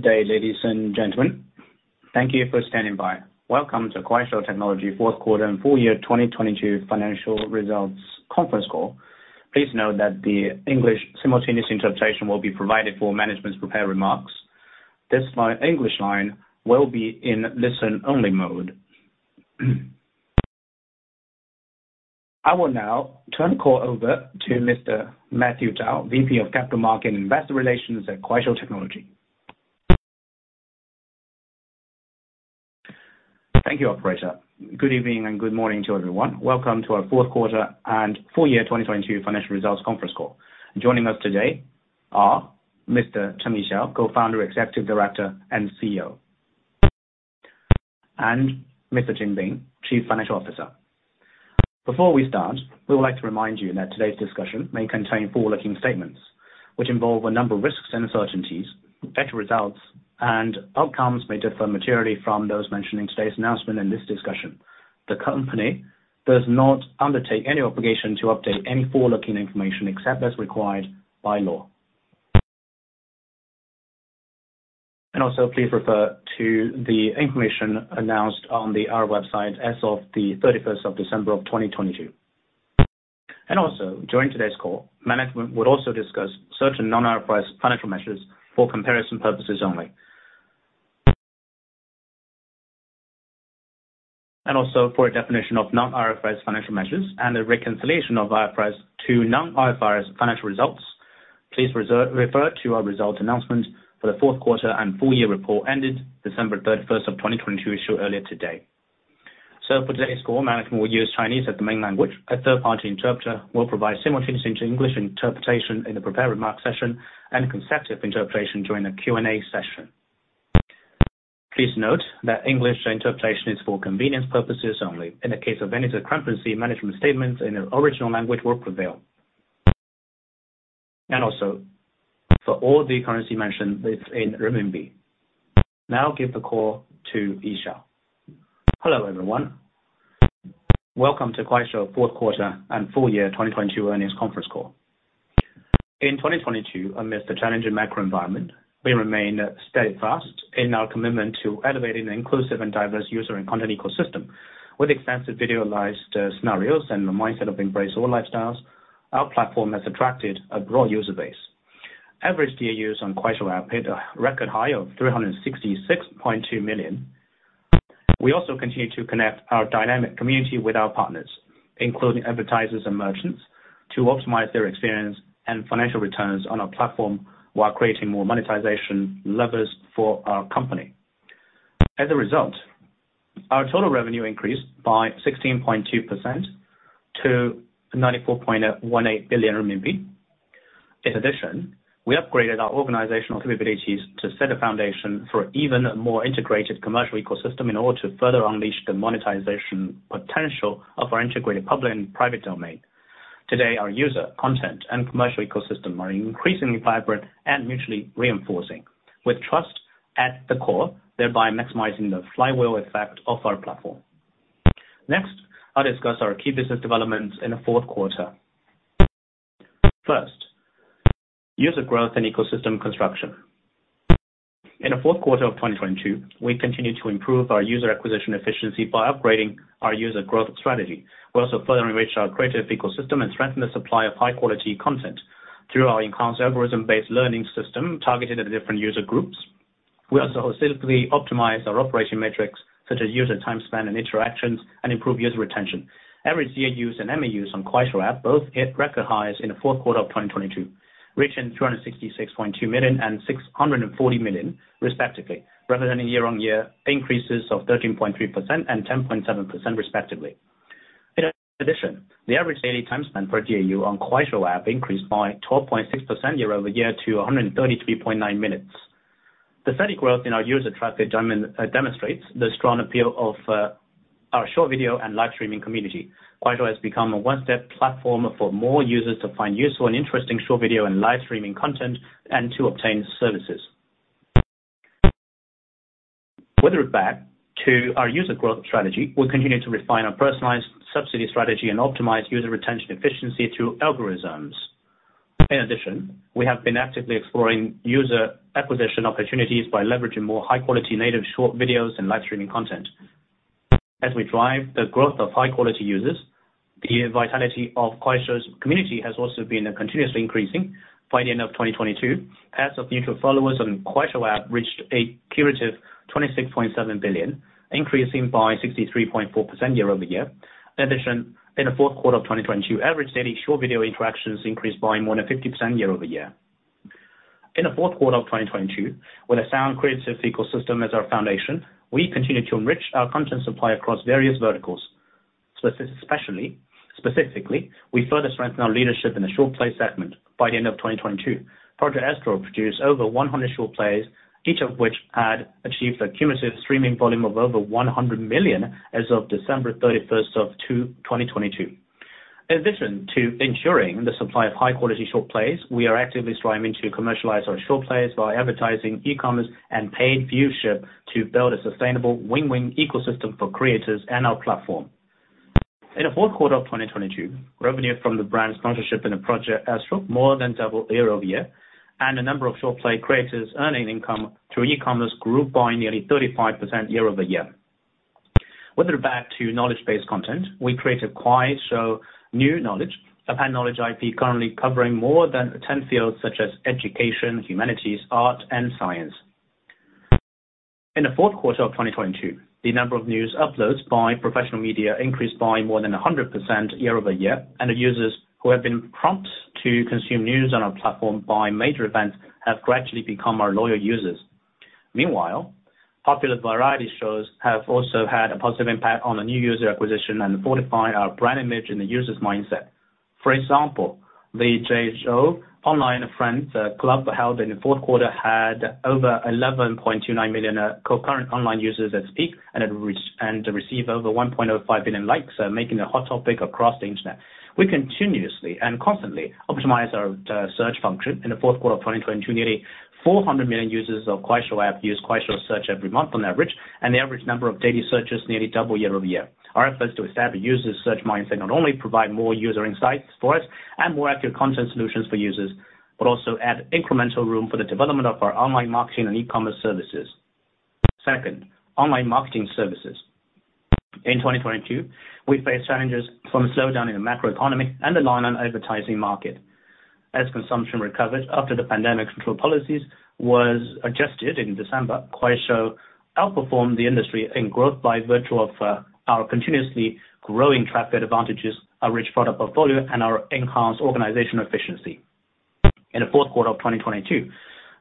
Day, ladies and gentlemen. Thank you for standing by. Welcome to Kuaishou Technology fourth quarter and full year 2022 financial results conference call. Please note that the English simultaneous interpretation will be provided for management's prepared remarks. This line, English line will be in listen-only mode. I will now turn the call over to Mr. Matthew Zhao, VP of Capital Market Investor Relations at Kuaishou Technology. Thank you, operator. Good evening and good morning to everyone. Welcome to our fourth quarter and full year 2022 financial results conference call. Joining us today are Mr. Cheng Yixiao, Co-founder, Executive Director, and CEO. Mr. Jin Bing, Chief Financial Officer. Before we start, we would like to remind you that today's discussion may contain forward-looking statements, which involve a number of risks and uncertainties. Better results and outcomes may differ materially from those mentioned in today's announcement and this discussion. The company does not undertake any obligation to update any forward-looking information except as required by law. Please refer to the information announced on the IR website as of December 31st, 2022. During today's call, management would also discuss certain non-IFRS financial measures for comparison purposes only. For a definition of non-IFRS financial measures and the reconciliation of IFRS to non-IFRS financial results, please refer to our result announcement for the fourth quarter and full year report ended December 31st, 2022 issued earlier today. For today's call, management will use Chinese as the main language. A third party interpreter will provide simultaneous English interpretation in the prepared remarks session and consecutive interpretation during the Q&A session. Please note that English interpretation is for convenience purposes only. In the case of any discrepancy, management statements in the original language will prevail. Also for all the currency mentioned, it's in renminbi. Now I'll give the call to Yixiao. Hello, everyone. Welcome to Kuaishou fourth quarter and full year 2022 earnings conference call. In 2022, amidst the challenging macro environment, we remained steadfast in our commitment to elevating an inclusive and diverse user and content ecosystem. With expansive video live scenarios and the mindset of embrace all lifestyles, our platform has attracted a broad user base. Average DAUs on Kuaishou App hit a record high of 366.2 million. We also continue to connect our dynamic community with our partners, including advertisers and merchants, to optimize their experience and financial returns on our platform while creating more monetization levers for our company. As a result, our total revenue increased by 16.2% to 94.18 billion RMB. In addition, we upgraded our organizational capabilities to set a foundation for even more integrated commercial ecosystem in order to further unleash the monetization potential of our integrated public and private domain. Today, our user, content, and commercial ecosystem are increasingly vibrant and mutually reinforcing with trust at the core, thereby maximizing the flywheel effect of our platform. Next, I'll discuss our key business developments in the fourth quarter. First, user growth and ecosystem construction. In the fourth quarter of 2022, we continued to improve our user acquisition efficiency by upgrading our user growth strategy. We also further enrich our creative ecosystem and strengthen the supply of high-quality content through our enhanced algorithm-based learning system targeted at different user groups. We also holistically optimized our operation metrics, such as user time spent and interactions, and improve user retention. Average DAUs and MAUs on Kuaishou App both hit record highs in the fourth quarter of 2022, reaching 266.2 million and 640 million respectively, representing year-over-year increases of 13.3% and 10.7% respectively. The average daily time spent per DAU on Kuaishou App increased by 12.6% year-over-year to 133.9 minutes. The steady growth in our user traffic demonstrates the strong appeal of our short video and live streaming community. Kuaishou has become a one-stop platform for more users to find useful and interesting short video and live streaming content and to obtain services. With it back to our user growth strategy, we continue to refine our personalized subsidy strategy and optimize user retention efficiency through algorithms. We have been actively exploring user acquisition opportunities by leveraging more high-quality native short videos and live streaming content. As we drive the growth of high-quality users, the vitality of Kuaishou's community has also been continuously increasing. By the end of 2022, pairs of mutual followers on Kuaishou App reached a cumulative 26.7 billion, increasing by 63.4% year-over-year. In the fourth quarter of 2022, average daily short video interactions increased by more than 50% year-over-year. In the fourth quarter of 2022, with a sound creative ecosystem as our foundation, we continued to enrich our content supply across various verticals, specifically, we further strengthened our leadership in the short play segment. By the end of 2022, Project Astral produced over 100 short plays, each of which had achieved a cumulative streaming volume of over 100 million as of December 31st, 2022. In addition to ensuring the supply of high-quality short plays, we are actively striving to commercialize our short plays by advertising e-commerce and paid viewership to build a sustainable win-win ecosystem for creators and our platform. In the fourth quarter of 2022, revenue from the brand sponsorship in Project Astral more than double year-over-year, and a number of short play creators earning income through e-commerce grew by nearly 35% year-over-year. Whether back to knowledge-based content, we created Kuaishou New Knowledge of our knowledge IP currently covering more than 10 fields such as education, humanities, art, and science. In the fourth quarter of 2022, the number of news uploads by professional media increased by more than 100% year-over-year. The users who have been prompted to consume news on our platform by major events have gradually become our loyal users. Meanwhile, popular variety shows have also had a positive impact on the new user acquisition and fortifying our brand image in the user's mindset. For example, the Jay Chou's Online Friends Club held in the fourth quarter had over 11.29 million co-current online users at its peak and it received over 1.5 billion likes, making a hot topic across the internet. We continuously and constantly optimize our search function. In the fourth quarter of 2022, nearly 400 million users of Kuaishou App used Kuaishou search every month on average, and the average number of daily searches nearly double year-over-year. Our efforts to establish users search mindset not only provide more user insights for us and more accurate content solutions for users, but also add incremental room for the development of our online marketing and e-commerce services. Second, online marketing services. In 2022, we faced challenges from a slowdown in the macro economy and the online advertising market. As consumption recovered after the pandemic control policies was adjusted in December, Kuaishou outperformed the industry in growth by virtue of our continuously growing traffic advantages, a rich product portfolio, and our enhanced organizational efficiency. In the fourth quarter of 2022,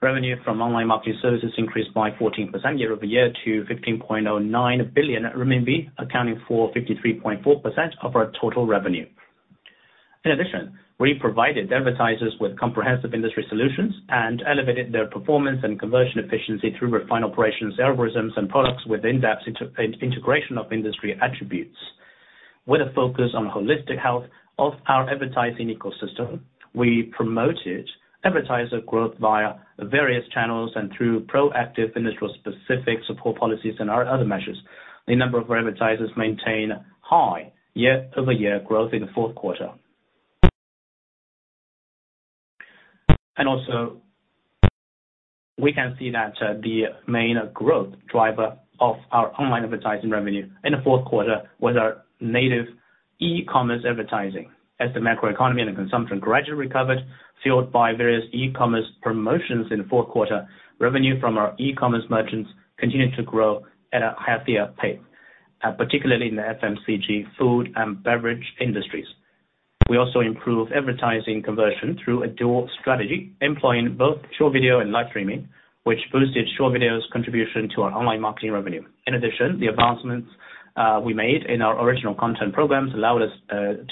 revenue from online marketing services increased by 14% year-over-year to 15.09 billion RMB, accounting for 53.4% of our total revenue. We provided advertisers with comprehensive industry solutions and elevated their performance and conversion efficiency through refined operations algorithms and products with in-depth integration of industry attributes. With a focus on holistic health of our advertising ecosystem, we promoted advertiser growth via various channels and through proactive industrial specific support policies and our other measures. The number of advertisers maintain high year-over-year growth in the fourth quarter. We can see that the main growth driver of our online advertising revenue in the fourth quarter was our native e-commerce advertising. As the macro economy and the consumption gradually recovered, fueled by various e-commerce promotions in the fourth quarter, revenue from our e-commerce merchants continued to grow at a healthier pace, particularly in the FMCG food and beverage industries. We also improved advertising conversion through a dual strategy, employing both short video and live streaming, which boosted short videos contribution to our online marketing revenue. In addition, the advancements we made in our original content programs allowed us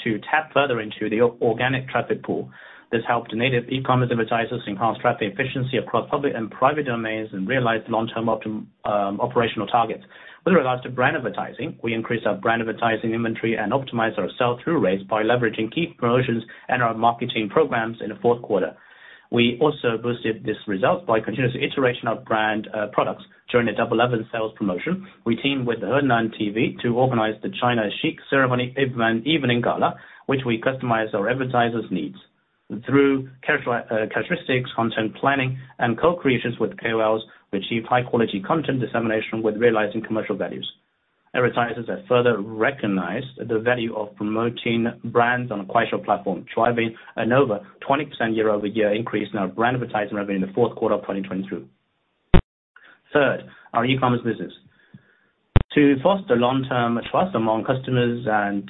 to tap further into the organic traffic pool. This helped native e-commerce advertisers enhance traffic efficiency across public and private domains and realize long-term operational targets. With regards to brand advertising, we increased our brand advertising inventory and optimized our sell-through rates by leveraging key promotions and our marketing programs in the fourth quarter. We also boosted this result by continuous iteration of brand products. During the Double Eleven sales promotion, we teamed with Henan TV to organize the China Chic Ceremony evening gala, which we customize our advertisers needs. Through characteristics, content planning, and co-creations with KOLs, we achieve high quality content dissemination with realizing commercial values. Advertisers have further recognized the value of promoting brands on a Kuaishou platform, driving an over 20% year-over-year increase in our brand advertising revenue in the fourth quarter of 2022. Third, our e-commerce business. To foster long-term trust among customers and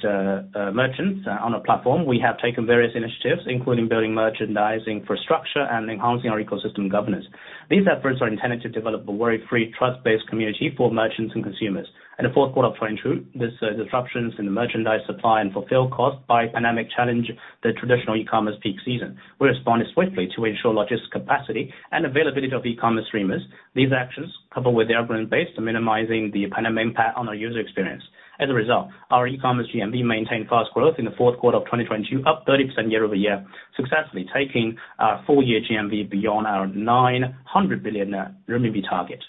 merchants on a platform, we have taken various initiatives, including building merchandising infrastructure and enhancing our ecosystem governance. These efforts are intended to develop a worry-free, trust-based community for merchants and consumers. In the fourth quarter of 2022, this disruptions in the merchandise supply and fulfillment caused by pandemic challenges the traditional e-commerce peak season. We responded swiftly to ensure logistics capacity and availability of e-commerce streamers. These actions, coupled with the algorithm-based minimizing the pandemic impact on our user experience. As a result, our e-commerce GMV maintained fast growth in the fourth quarter of 2022, up 30% year-over-year, successfully taking our full year GMV beyond our 900 billion RMB target.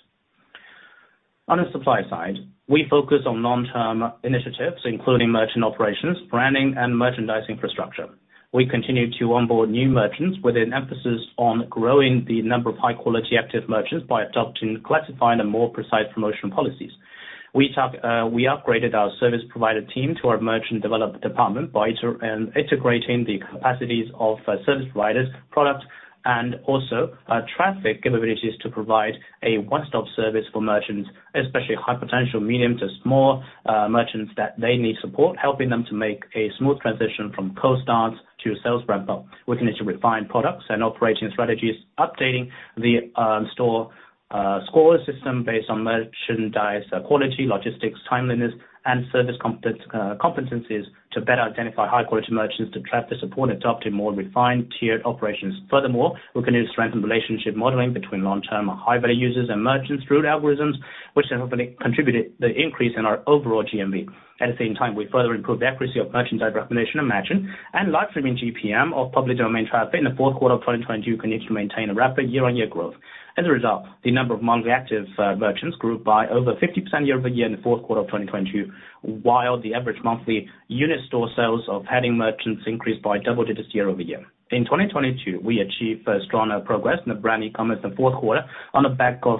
On the supply side, we focus on long-term initiatives, including merchant operations, branding, and merchandising infrastructure. We continue to onboard new merchants with an emphasis on growing the number of high-quality active merchants by adopting, classifying the more precise promotion policies. We upgraded our service provider team to our merchant development department by integrating the capacities of service providers, products, and also, traffic capabilities to provide a one-stop service for merchants, especially high potential medium to small merchants that they need support, helping them to make a smooth transition from post-start to sales ramp-up. We continue to refine products and operating strategies, updating the store score system based on merchandise quality, logistics, timeliness, and service competencies to better identify high-quality merchants to track the support adopted more refined tiered operations. Furthermore, we continue to strengthen relationship modeling between long-term high-value users and merchants through algorithms, which have contributed the increase in our overall GMV. At the same time, we further improved the accuracy of merchandise recognition and matching and live streaming GPM of public domain traffic in the fourth quarter of 2022 continue to maintain a rapid year-on-year growth. As a result, the number of monthly active merchants grew by over 50% year-over-year in the fourth quarter of 2022, while the average monthly unit store sales of heading merchants increased by double digits year-over-year. In 2022, we achieved a stronger progress in the brand e-commerce in the fourth quarter on the back of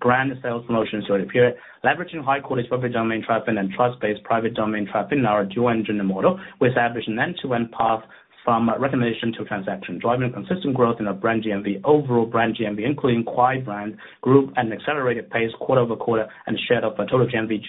brand sales promotions during the period, leveraging high-quality public domain traffic and trust-based private domain traffic in our dual engine model, we established an end-to-end path from recommendation to transaction, driving consistent growth in our brand GMV, overall brand GMV, including Kuai Brand group at an accelerated pace quarter-over-quarter, and shared of total GMV,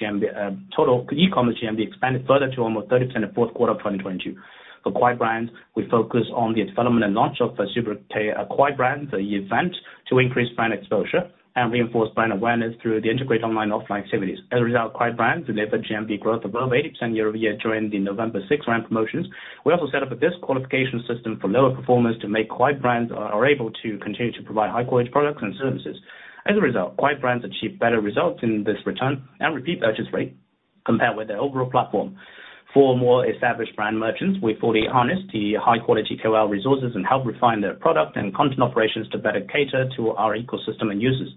total e-commerce GMV expanded further to almost 30% in fourth quarter of 2022. For Kuai Brand, we focus on the development and launch of Super K, Kuai Brand, the event to increase brand exposure and reinforce brand awareness through the integrated online-offline activities. As a result, Kuai Brands delivered GMV growth above 80% year-over-year during the November 6 brand promotions. We also set up a disqualification system for lower performance to make Kuai brands are able to continue to provide high-quality products and services. As a result, Kuai brands achieve better results in this return and repeat purchase rate compared with the overall platform. For more established brand merchants, we fully harness the high-quality KOL resources and help refine their product and content operations to better cater to our ecosystem and users.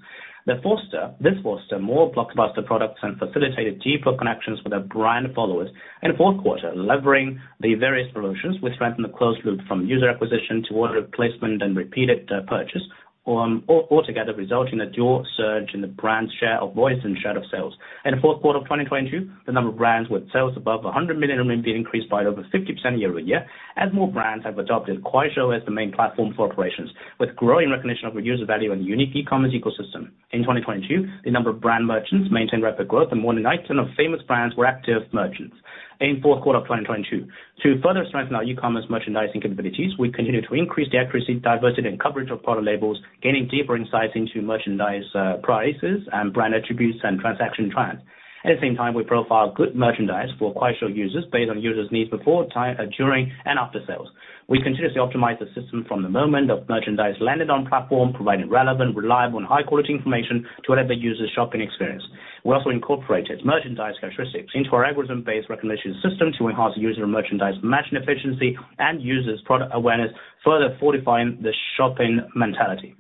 This foster more blockbuster products and facilitated deeper connections with their brand followers. In the fourth quarter, levering the various solutions, we strengthened the closed loop from user acquisition to order placement and repeated purchase altogether resulting a dual surge in the brand's share of voice and share of sales. In the fourth quarter of 2022, the number of brands with sales above 100 million RMB increased by over 50% year-over-year, as more brands have adopted Kuaishou as the main platform for operations, with growing recognition of user value and unique e-commerce ecosystem. In 2022, the number of brand merchants maintained rapid growth, and more than 90% of famous brands were active merchants in fourth quarter of 2022. To further strengthen our e-commerce merchandising capabilities, we continue to increase the accuracy, diversity, and coverage of product labels, gaining deeper insights into merchandise, prices and brand attributes and transaction trends. At the same time, we profiled good merchandise for Kuaishou users based on users' needs before time, during, and after sales. We continuously optimize the system from the moment of merchandise landed on platform, providing relevant, reliable, and high-quality information to elevate users' shopping experience. We also incorporated merchandise characteristics into our algorithm-based recommendation system to enhance user merchandise matching efficiency and users' product awareness, further fortifying the shopping mentality.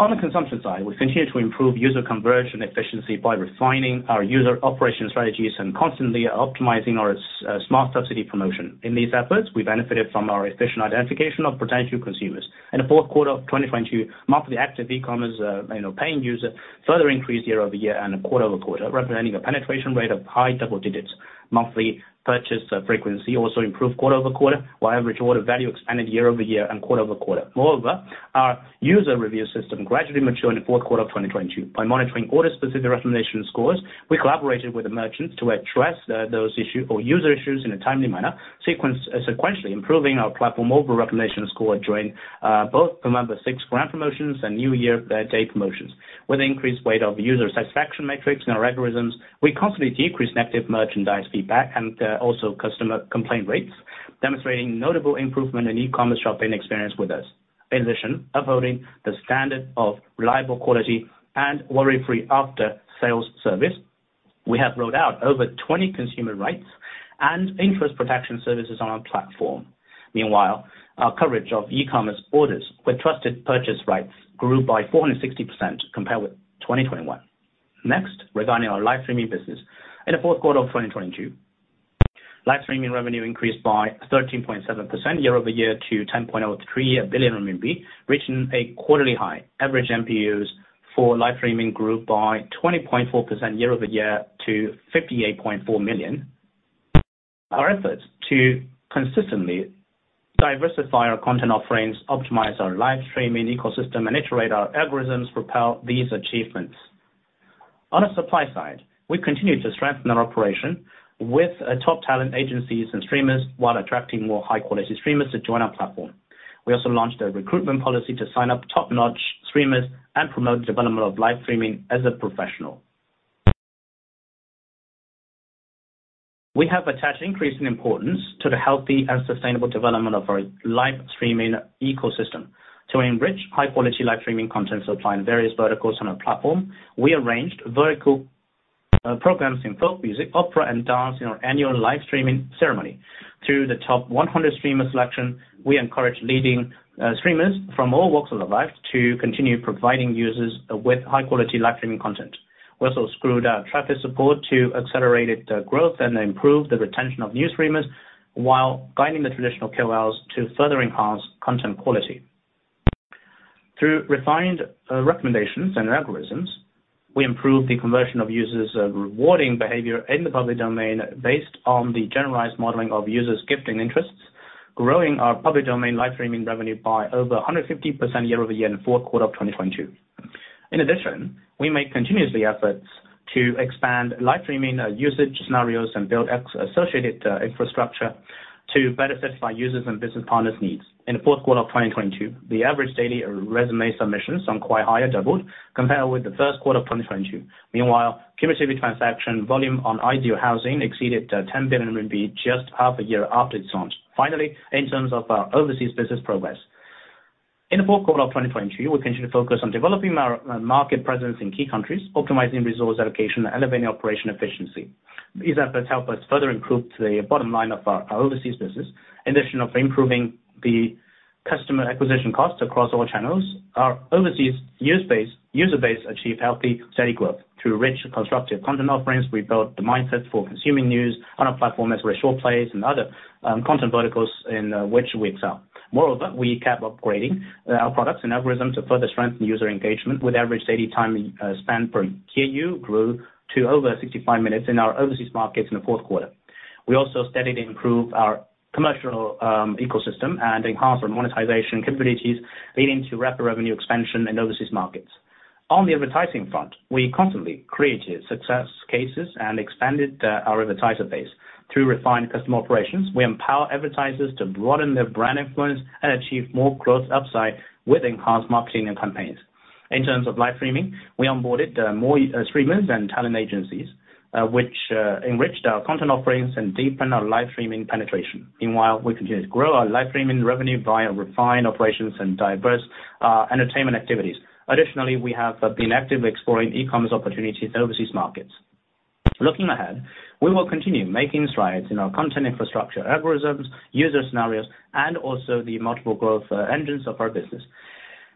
On the consumption side, we continue to improve user conversion efficiency by refining our user operation strategies and constantly optimizing our smart subsidy promotion. In these efforts, we benefited from our efficient identification of potential consumers. In the fourth quarter of 2022, monthly active e-commerce, you know, paying user further increased year-over-year and quarter-over-quarter, representing a penetration rate of high double digits. Monthly purchase frequency also improved quarter-over-quarter, while average order value expanded year-over-year and quarter-over-quarter. Moreover, our user review system gradually matured in the fourth quarter of 2022. By monitoring order-specific recommendation scores, we collaborated with the merchants to address those issue or user issues in a timely manner, sequence, sequentially improving our platform mobile recommendation score during both the November 6 brand promotions and New Year Day promotions. With increased weight of user satisfaction metrics in our algorithms, we constantly decrease negative merchandise feedback and also customer complaint rates, demonstrating notable improvement in e-commerce shopping experience with us. In addition, upholding the standard of reliable quality and worry-free after-sales service, we have rolled out over 20 consumer rights and interest protection services on our platform. Meanwhile, our coverage of e-commerce orders with trusted purchase rights grew by 460% compared with 2021. Next, regarding our live streaming business. In the fourth quarter of 2022, live streaming revenue increased by 13.7% year-over-year to 10.03 billion RMB, reaching a quarterly high. Average MPUs for live streaming grew by 20.4% year-over-year to 58.4 million. Our efforts to consistently diversify our content offerings, optimize our live streaming ecosystem, and iterate our algorithms propel these achievements. On a supply side, we continue to strengthen our operation with top talent agencies and streamers while attracting more high-quality streamers to join our platform. We also launched a recruitment policy to sign up top-notch streamers and promote development of live streaming as a professional. We have attached increasing importance to the healthy and sustainable development of our live streaming ecosystem. To enrich high-quality live streaming content supplying various verticals on our platform, we arranged vertical programs in folk music, opera, and dance in our annual live streaming ceremony. Through the top 100 streamer selection, we encourage leading streamers from all walks of life to continue providing users with high-quality live streaming content. We also screwed our traffic support to accelerated growth and improved the retention of new streamers while guiding the traditional KOLs to further enhance content quality. Through refined recommendations and algorithms, we improved the conversion of users' rewarding behavior in the public domain based on the generalized modeling of users' gifting interests, growing our public domain live streaming revenue by over 150% year-over-year in the fourth quarter of 2022. In addition, we make continuous efforts to expand live streaming usage scenarios and build associated infrastructure to better satisfy users' and business partners' needs. In the fourth quarter of 2022, the average daily resume submissions on Kwai Hire doubled compared with the first quarter of 2022. Meanwhile, QVC transaction volume on Ideal Housing exceeded 10 billion RMB just half a year after its launch. Finally, in terms of our overseas business progress. In the fourth quarter of 2022, we continued to focus on developing our market presence in key countries, optimizing resource allocation, and elevating operation efficiency. These efforts help us further improve the bottom line of our overseas business. In addition to improving the customer acquisition costs across all channels, our overseas user base achieved healthy steady growth. Through rich constructive content offerings, we built the mindset for consuming news on our platform as we short plays and other content verticals in which we excel. We kept upgrading our products and algorithms to further strengthen user engagement with average daily time spent per DAU grew to over 65 minutes in our overseas markets in the fourth quarter. We also steadily improve our commercial ecosystem and enhance our monetization capabilities, leading to rapid revenue expansion in overseas markets. On the advertising front, we constantly created success cases and expanded our advertiser base. Through refined customer operations, we empower advertisers to broaden their brand influence and achieve more growth upside with enhanced marketing and campaigns. In terms of live streaming, we onboarded more streamers and talent agencies which enriched our content offerings and deepened our live streaming penetration. Meanwhile, we continued to grow our live streaming revenue via refined operations and diverse entertainment activities. Additionally, we have been actively exploring e-commerce opportunities in overseas markets. Looking ahead, we will continue making strides in our content infrastructure algorithms, user scenarios, and also the multiple growth engines of our business.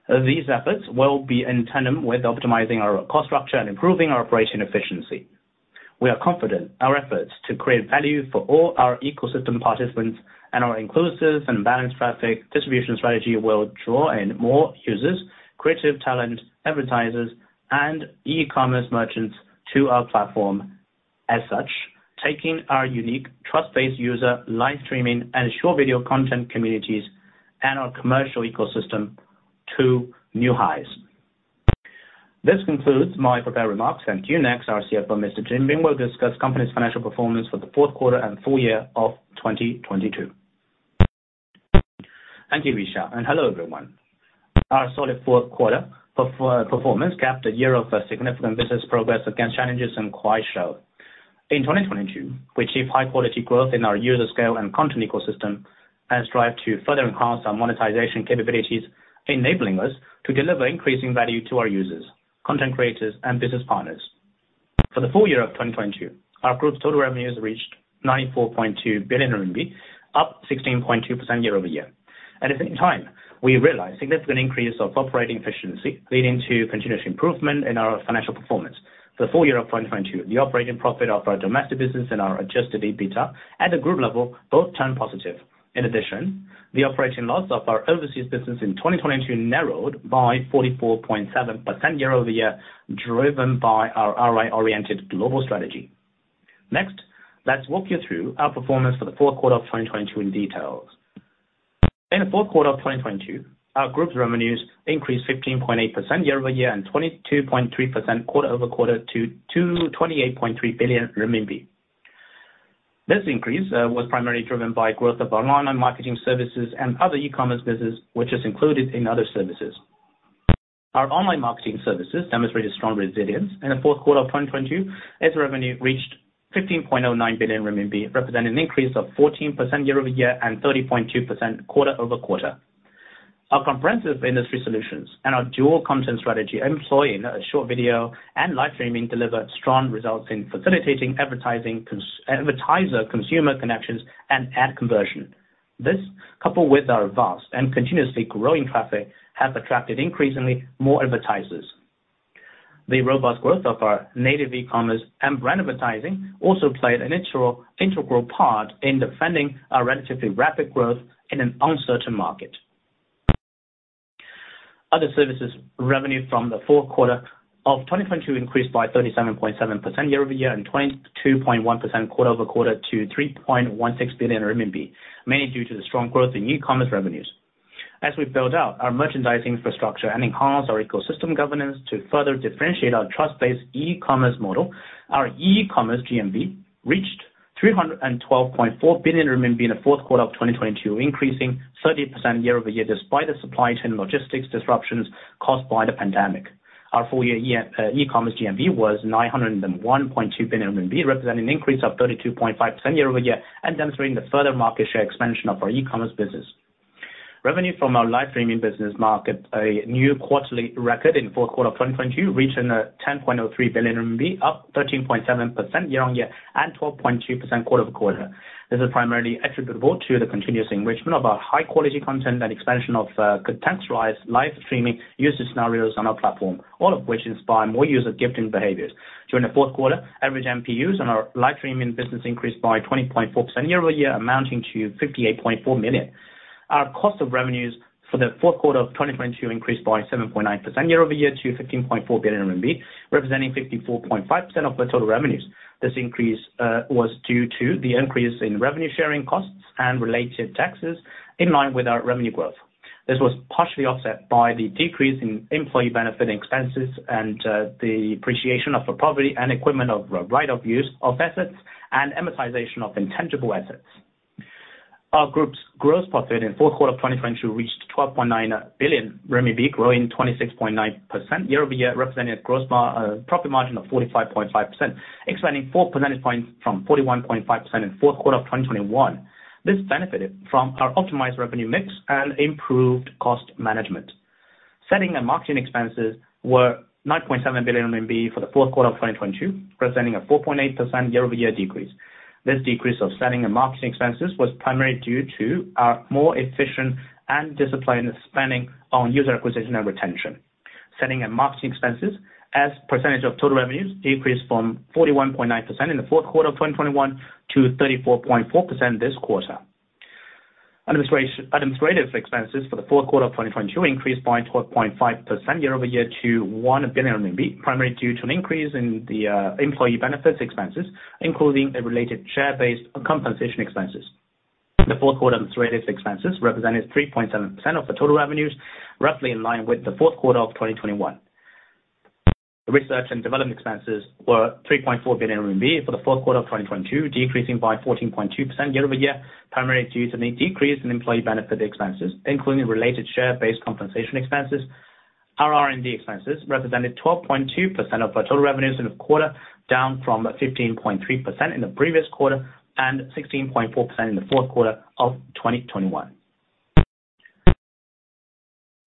These efforts will be in tandem with optimizing our cost structure and improving our operation efficiency. We are confident our efforts to create value for all our ecosystem participants and our inclusive and balanced traffic distribution strategy will draw in more users, creative talent, advertisers, and e-commerce merchants to our platform as such, taking our unique trust-based user live streaming and short video content communities and our commercial ecosystem to new highs. This concludes my prepared remarks. Thank you. Next, our CFO, Mr. Jin Bing will discuss company's financial performance for the fourth quarter and full year of 2022. Thank you, Yixiao Hello, everyone. Our solid fourth quarter performance capped a year of significant business progress against challenges in Kuaishou. In 2022, we achieved high quality growth in our user scale and content ecosystem as strive to further enhance our monetization capabilities, enabling us to deliver increasing value to our users, content creators, and business partners. For the full year of 2022, our group's total revenues reached 94.2 billion RMB, up 16.2% year-over-year. At the same time, we realized significant increase of operating efficiency, leading to continuous improvement in our financial performance. The full year of 2022, the operating profit of our domestic business and our adjusted EBITDA at the group level both turned positive. The operating loss of our overseas business in 2022 narrowed by 44.7% year-over-year, driven by our ROI-oriented global strategy. Let's walk you through our performance for the fourth quarter of 2022 in details. In the fourth quarter of 2022, our group's revenues increased 15.8% year-over-year and 22.3% quarter-over-quarter to 228.3 billion RMB. This increase was primarily driven by growth of online and marketing services and other e-commerce business, which is included in other services. Our online marketing services demonstrated strong resilience. In the fourth quarter of 2022, its revenue reached 15.09 billion RMB, representing an increase of 14% year-over-year and 30.2% quarter-over-quarter. Our comprehensive industry solutions and our dual content strategy employing short video and live streaming delivered strong results in facilitating advertising advertiser-consumer connections and ad conversion. This, coupled with our vast and continuously growing traffic, have attracted increasingly more advertisers. The robust growth of our native e-commerce and brand advertising also played an integral part in defending our relatively rapid growth in an uncertain market. Other services revenue from the fourth quarter of 2022 increased by 37.7% year-over-year and 22.1% quarter-over-quarter to 3.16 billion RMB, mainly due to the strong growth in e-commerce revenues. As we build out our merchandising infrastructure and enhance our ecosystem governance to further differentiate our trust-based e-commerce model, our e-commerce GMV reached 312.4 billion RMB in the fourth quarter of 2022, increasing 30% year-over-year despite the supply chain logistics disruptions caused by the pandemic. Our full year e-commerce GMV was 901.2 billion RMB, representing an increase of 32.5% year-over-year and demonstrating the further market share expansion of our e-commerce business. Revenue from our live streaming business marked a new quarterly record in fourth quarter of 2022, reaching 10.03 billion RMB, up 13.7% year-on-year and 12.2% quarter-over-quarter. This is primarily attributable to the continuous enrichment of our high-quality content and expansion of contextualized live-streaming user scenarios on our platform, all of which inspire more user gifting behaviors. During the fourth quarter, average MPUs on our live-streaming business increased by 20.4% year-over-year, amounting to 58.4 million. Our cost of revenues for the fourth quarter of 2022 increased by 7.9% year-over-year to 15.4 billion RMB, representing 54.5% of the total revenues. This increase was due to the increase in revenue sharing costs and related taxes in line with our revenue growth. This was partially offset by the decrease in employee benefit expenses and the appreciation of the property and equipment right of use of assets and amortization of intangible assets. Our group's gross profit in fourth quarter of 2022 reached 12.9 billion RMB, growing 26.9% year-over-year, representing a gross profit margin of 45.5%, expanding four percentage points from 41.5% in fourth quarter of 2021. This benefited from our optimized revenue mix and improved cost management. Selling and marketing expenses were 9.7 billion RMB for the fourth quarter of 2022, representing a 4.8% year-over-year decrease. This decrease of selling and marketing expenses was primarily due to our more efficient and disciplined spending on user acquisition and retention. Selling and marketing expenses as % of total revenues decreased from 41.9% in the fourth quarter of 2021 to 34.4% this quarter. Administrative expenses for the fourth quarter of 2022 increased by 12.5% year-over-year to 1 billion RMB, primarily due to an increase in the employee benefits expenses, including a related share-based compensation expenses. The fourth quarter administrative expenses represented 3.7% of the total revenues, roughly in line with the fourth quarter of 2021. The research and development expenses were 3.4 billion RMB for the fourth quarter of 2022, decreasing by 14.2% year-over-year, primarily due to the decrease in employee benefit expenses, including related share-based compensation expenses. Our R&D expenses represented 12.2% of our total revenues in the quarter, down from 15.3% in the previous quarter and 16.4% in the fourth quarter of 2021.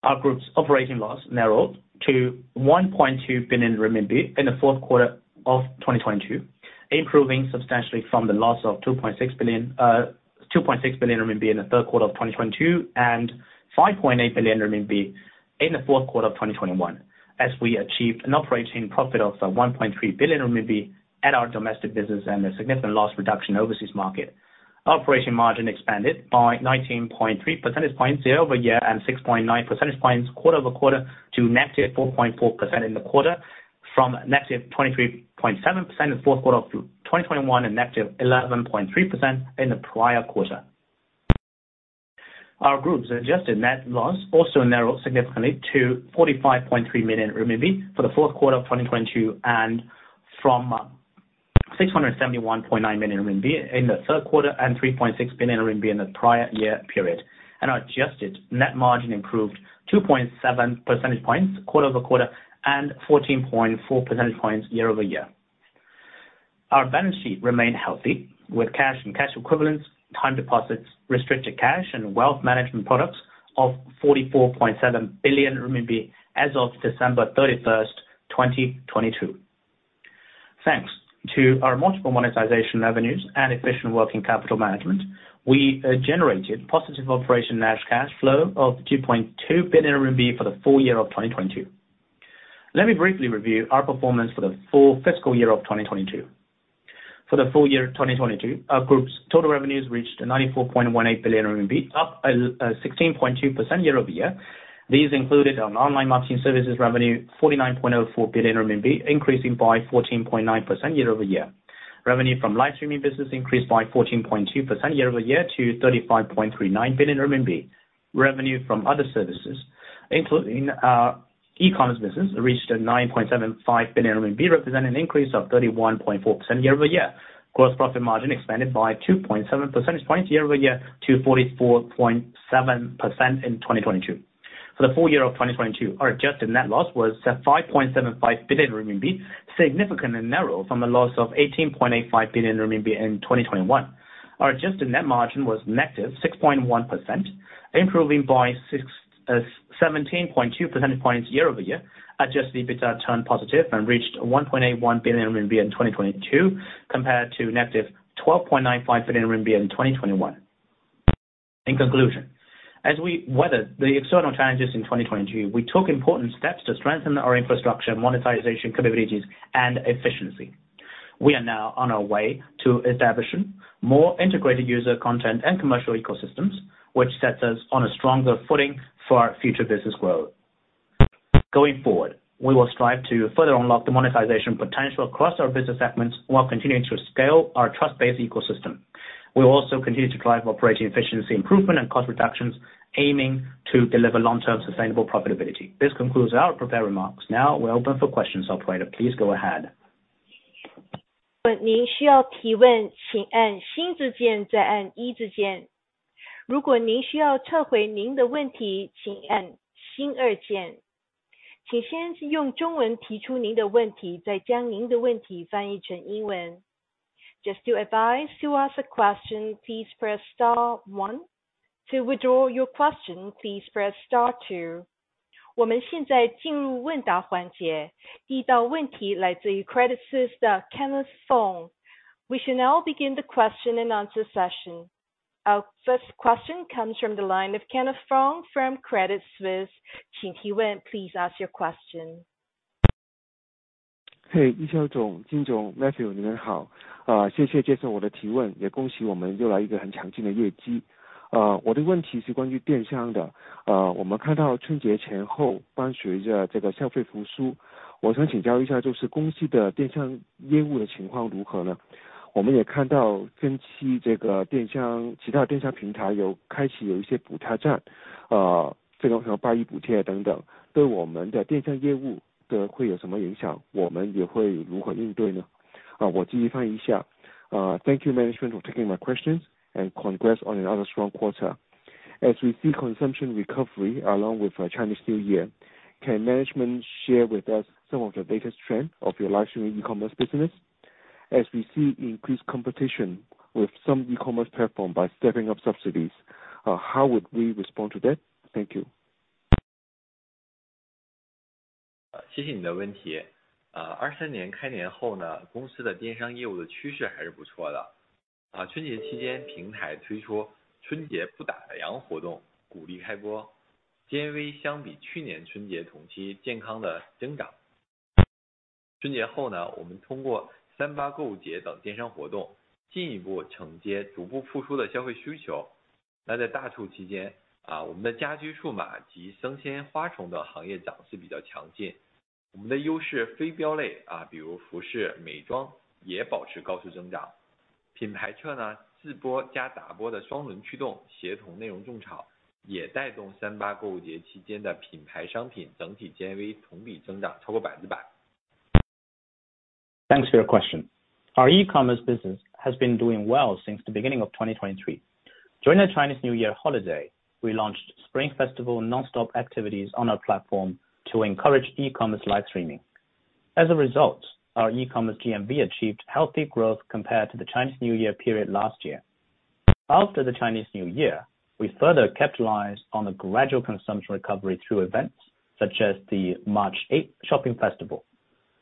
Our group's operating loss narrowed to 1.2 billion RMB in the fourth quarter of 2022, improving substantially from the loss of 2.6 billion RMB in the third quarter of 2022 and 5.8 billion RMB in the fourth quarter of 2021, as we achieved an operating profit of 1.3 billion RMB at our domestic business and a significant loss reduction overseas market. Operation margin expanded by 19.3 percentage points year-over-year and 6.9 percentage points quarter-over-quarter to negative 4.4% in the quarter from negative 23.7% in the fourth quarter of 2021 and negative 11.3% in the prior quarter. Our group's adjusted net loss also narrowed significantly to 45.3 million RMB for the fourth quarter of 2022 and from 671.9 million RMB in the third quarter and 3.6 billion RMB in the prior year period. Our adjusted net margin improved 2.7 percentage points quarter-over-quarter and 14.4 percentage points year-over-year. Our balance sheet remained healthy with cash and cash equivalents, time deposits, restricted cash and wealth management products of 44.7 billion RMB as of December 31, 2022. Thanks to our multiple monetization revenues and efficient working capital management, we generated positive operation net cash flow of 2.2 billion RMB for the full year of 2022. Let me briefly review our performance for the full fiscal year of 2022. For the full year 2022, our group's total revenues reached 94.18 billion RMB, up 16.2% year-over-year. These included an online marketing services revenue 49.04 billion RMB, increasing by 14.9% year-over-year. Revenue from live streaming business increased by 14.2% year-over-year to 35.39 billion RMB. Revenue from other services, including e-commerce business, reached 9.75 billion RMB, represent an increase of 31.4% year-over-year. Gross profit margin expanded by 2.7 percentage points year-over-year to 44.7% in 2022. For the full year of 2022, our adjusted net loss was 5.75 billion RMB, significantly narrowed from a loss of 18.85 billion RMB in 2021. Our adjusted net margin was -6.1%, improving by 17.2 percentage points year-over-year. Adjusted EBITDA turned positive and reached 1.81 billion RMB in 2022 compared to -12.95 billion RMB in 2021. In conclusion, as we weathered the external challenges in 2022, we took important steps to strengthen our infrastructure, monetization capabilities and efficiency. We are now on our way to establishing more integrated user content and commercial ecosystems, which sets us on a stronger footing for our future business growth. Going forward, we will strive to further unlock the monetization potential across our business segments while continuing to scale our trust-based ecosystem. We will also continue to drive operating efficiency improvement and cost reductions, aiming to deliver long-term sustainable profitability. This concludes our prepared remarks. Now we're open for questions. Operator, please go ahead. Just to advise, to ask a question, please press star one. To withdraw your question, please press star two. We should now begin the question and answer session. Our first question comes from the line of Kenneth Fong from Credit Suisse. Please ask your question. Hey, Matthew.春 节后 呢， 我们通过三八购物节等电商活 动， 进一步承接逐步复苏的消费需求。那在大促期 间， 啊我们的家居数码及生鲜花虫等行业涨势比较强劲。我们的优势非标 类， 啊比如服饰美妆也保持高速增长。品牌侧 呢， 自播加达播的双轮驱 动， 协同内容种草也带动三八购物节期间的品牌商品整体 GMV 同比增长超过百分之百。Thanks your question. Our e-commerce business has been doing well since the beginning of 2023. During the Chinese New Year holiday, we launched Spring Festival non-stop activities on our platform to encourage e-commerce live streaming. As a result, our e-commerce GMV achieved healthy growth compared to the Chinese New Year period last year. After the Chinese New Year, we further capitalize on the gradual consumption recovery through events such as the March 8th Shopping Festival.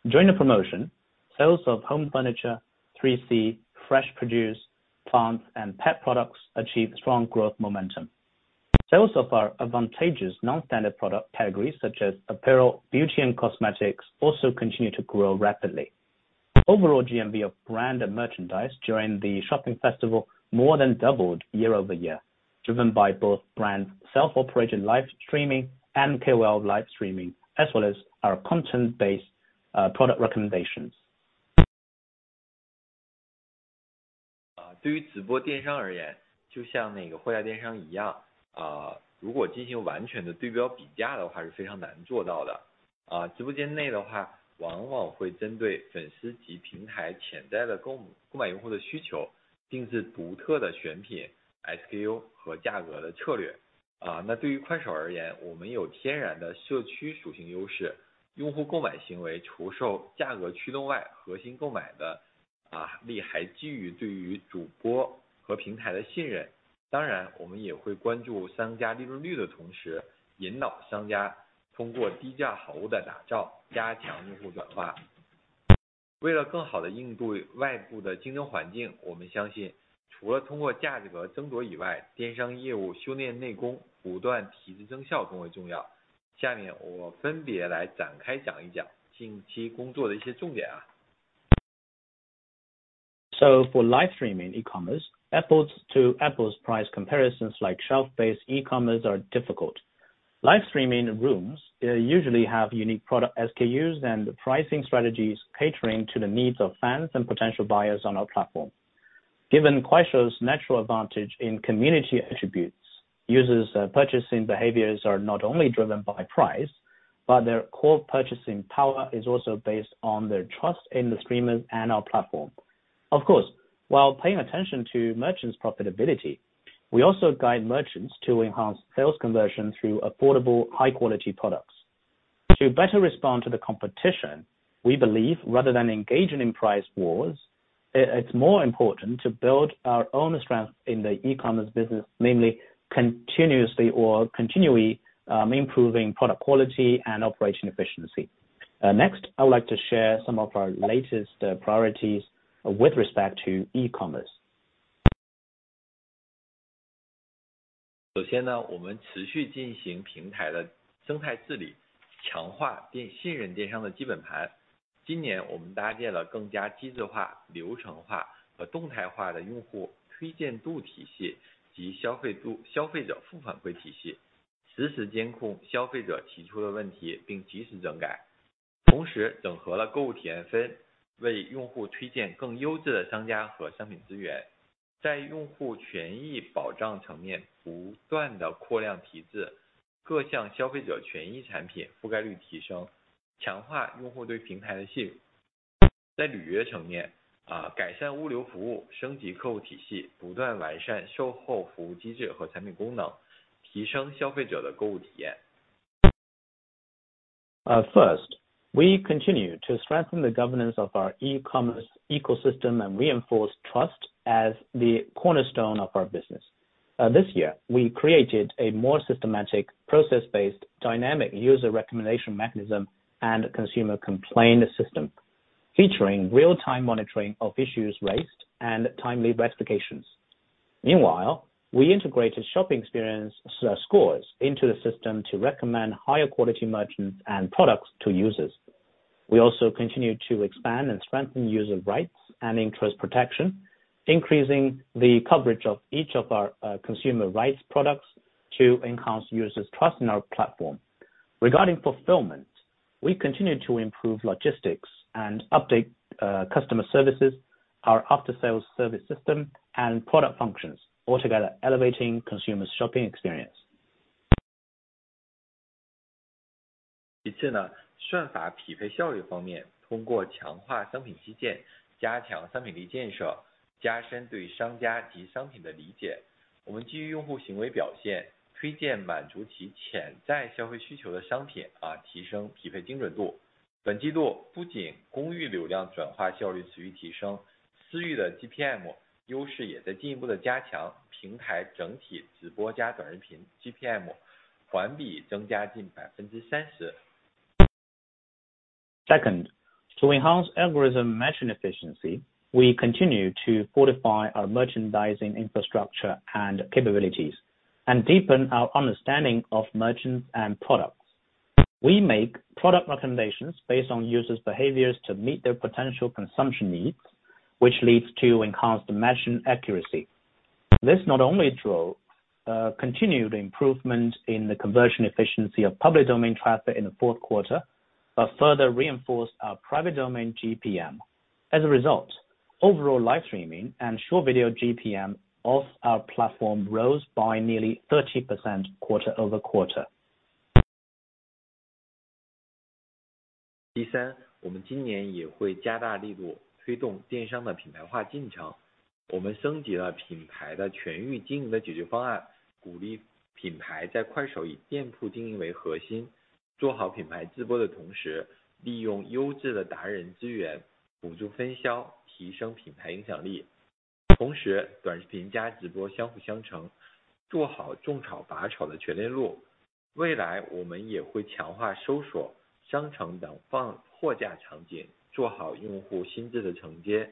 During the promotion, sales of home furniture, 3C, fresh produce, plants and pet products achieve strong growth momentum. Sales of our advantageous non-standard product categories such as apparel, beauty and cosmetics also continue to grow rapidly. Overall GMV of brand and merchandise during the shopping festival more than doubled year-over-year, driven by both brand self-operated live streaming and KOL live streaming, as well as our content-based product recommendations. 对于直播电商而 言， 就像那个货架电商一 样， 如果进行完全的对标比价的 话， 是非常难做到的。直播间内的 话， 往往会针对粉丝及平台潜在的购买用户的需 求， 定制独特的选品、SKU 和价格的策略。那对于 Kuaishou 而 言， 我们有天然的社区属性优 势， 用户购买行为除受价格驱动 外， 核心购买的力还基于对于主播和平台的信任。我们也会关注商家利润率的同 时， 引导商家通过低价好物的打 造， 加强用户转化。为了更好地应对外部的竞争环 境， 我们相信除了通过价格争夺以 外， 电商业务修炼内 功， 不断提升效更为重要。下面我分别来展开讲一讲近期工作的一些重点。For live streaming, e-commerce efforts to apples price comparisons like shelf-based e-commerce are difficult. Live streaming rooms usually have unique product SKUs, and the pricing strategies catering to the needs of fans and potential buyers on our platform. Given Kuaishou's natural advantage in community attributes, users purchasing behaviors are not only driven by price, but their core purchasing power is also based on their trust in the streamers and our platform. Of course, while paying attention to merchants profitability, we also guide merchants to enhance sales conversion through affordable, high quality products. To better respond to the competition, we believe, rather than engaging in price wars, it's more important to build our own strength in the e-commerce business, namely continuously or continually improving product quality and operation efficiency. Next, I would like to share some of our latest priorities with respect to e-commerce. 首先 呢, 我们持续进行平台的生态治 理, 强化并信任电商的基本 盘. 今年我们搭建了更加机制化、流程化和动态化的用户推荐度体系及消费度消费者负反馈体 系, 实时监控消费者提出的问 题, 并及时整 改. 同时整合了购物体验 分, 为用户推荐更优质的商家和商品资 源. 在用户权益保障层 面, 不断地扩量提 质, 各项消费者权益产品覆盖率提 升, 强化用户对平台的信 任. 在履约层 面, 改善物流服 务, 升级客户体 系, 不断完善售后服务机制和产品功 能, 提升消费者的购物体 验. First, we continue to strengthen the governance of our e-commerce ecosystem and reinforce trust as the cornerstone of our business. This year, we created a more systematic, process based dynamic user recommendation mechanism and consumer complaint system featuring real time monitoring of issues raised and timely rectifications. Meanwhile, we integrated shopping experience scores into the system to recommend higher quality merchants and products to users. We also continue to expand and strengthen user rights and interest protection, increasing the coverage of each of our consumer rights products to enhance users trust in our platform. Regarding fulfillment, we continue to improve logistics and update customer services, our after sales service system, and product functions altogether elevating consumers shopping experience. 其次 呢, 算法匹配效率方 面, 通过强化商品基 建, 加强商品力建 设, 加深对商家及商品的理 解. 我们基于用户行为表 现, 推荐满足其潜在消费需求的商 品, 提升匹配精准 度. 本季度不仅公域流量转化效率持续提 升, 私域的 GPM 优势也在进一步的加 强. 平台整体直播加短视频 GPM 环比增加近 30%. Second, to enhance algorithm matching efficiency, we continue to fortify our merchandising infrastructure and capabilities, and deepen our understanding of merchants and products. We make product recommendations based on users' behaviors to meet their potential consumption needs, which leads to enhanced matching accuracy. This not only drove continued improvement in the conversion efficiency of public domain traffic in the fourth quarter, but further reinforced our private domain GPM. As a result, overall live streaming and short video GPM of our platform rose by nearly 30% quarter-over-quarter. 第 三， 我们今年也会加大力度推动电商的品牌化进程。我们升级了品牌的全域经营的解决方 案， 鼓励品牌在快手以店铺经营为核 心， 做好品牌直播的同 时， 利用优质的达人资源辅助分 销， 提升品牌影响力。同 时， 短视频加直播相互相 成， 做好种草、拔草的全链路。未来我们也会强化搜索、商城等放货架场景，做好用户心智的承接。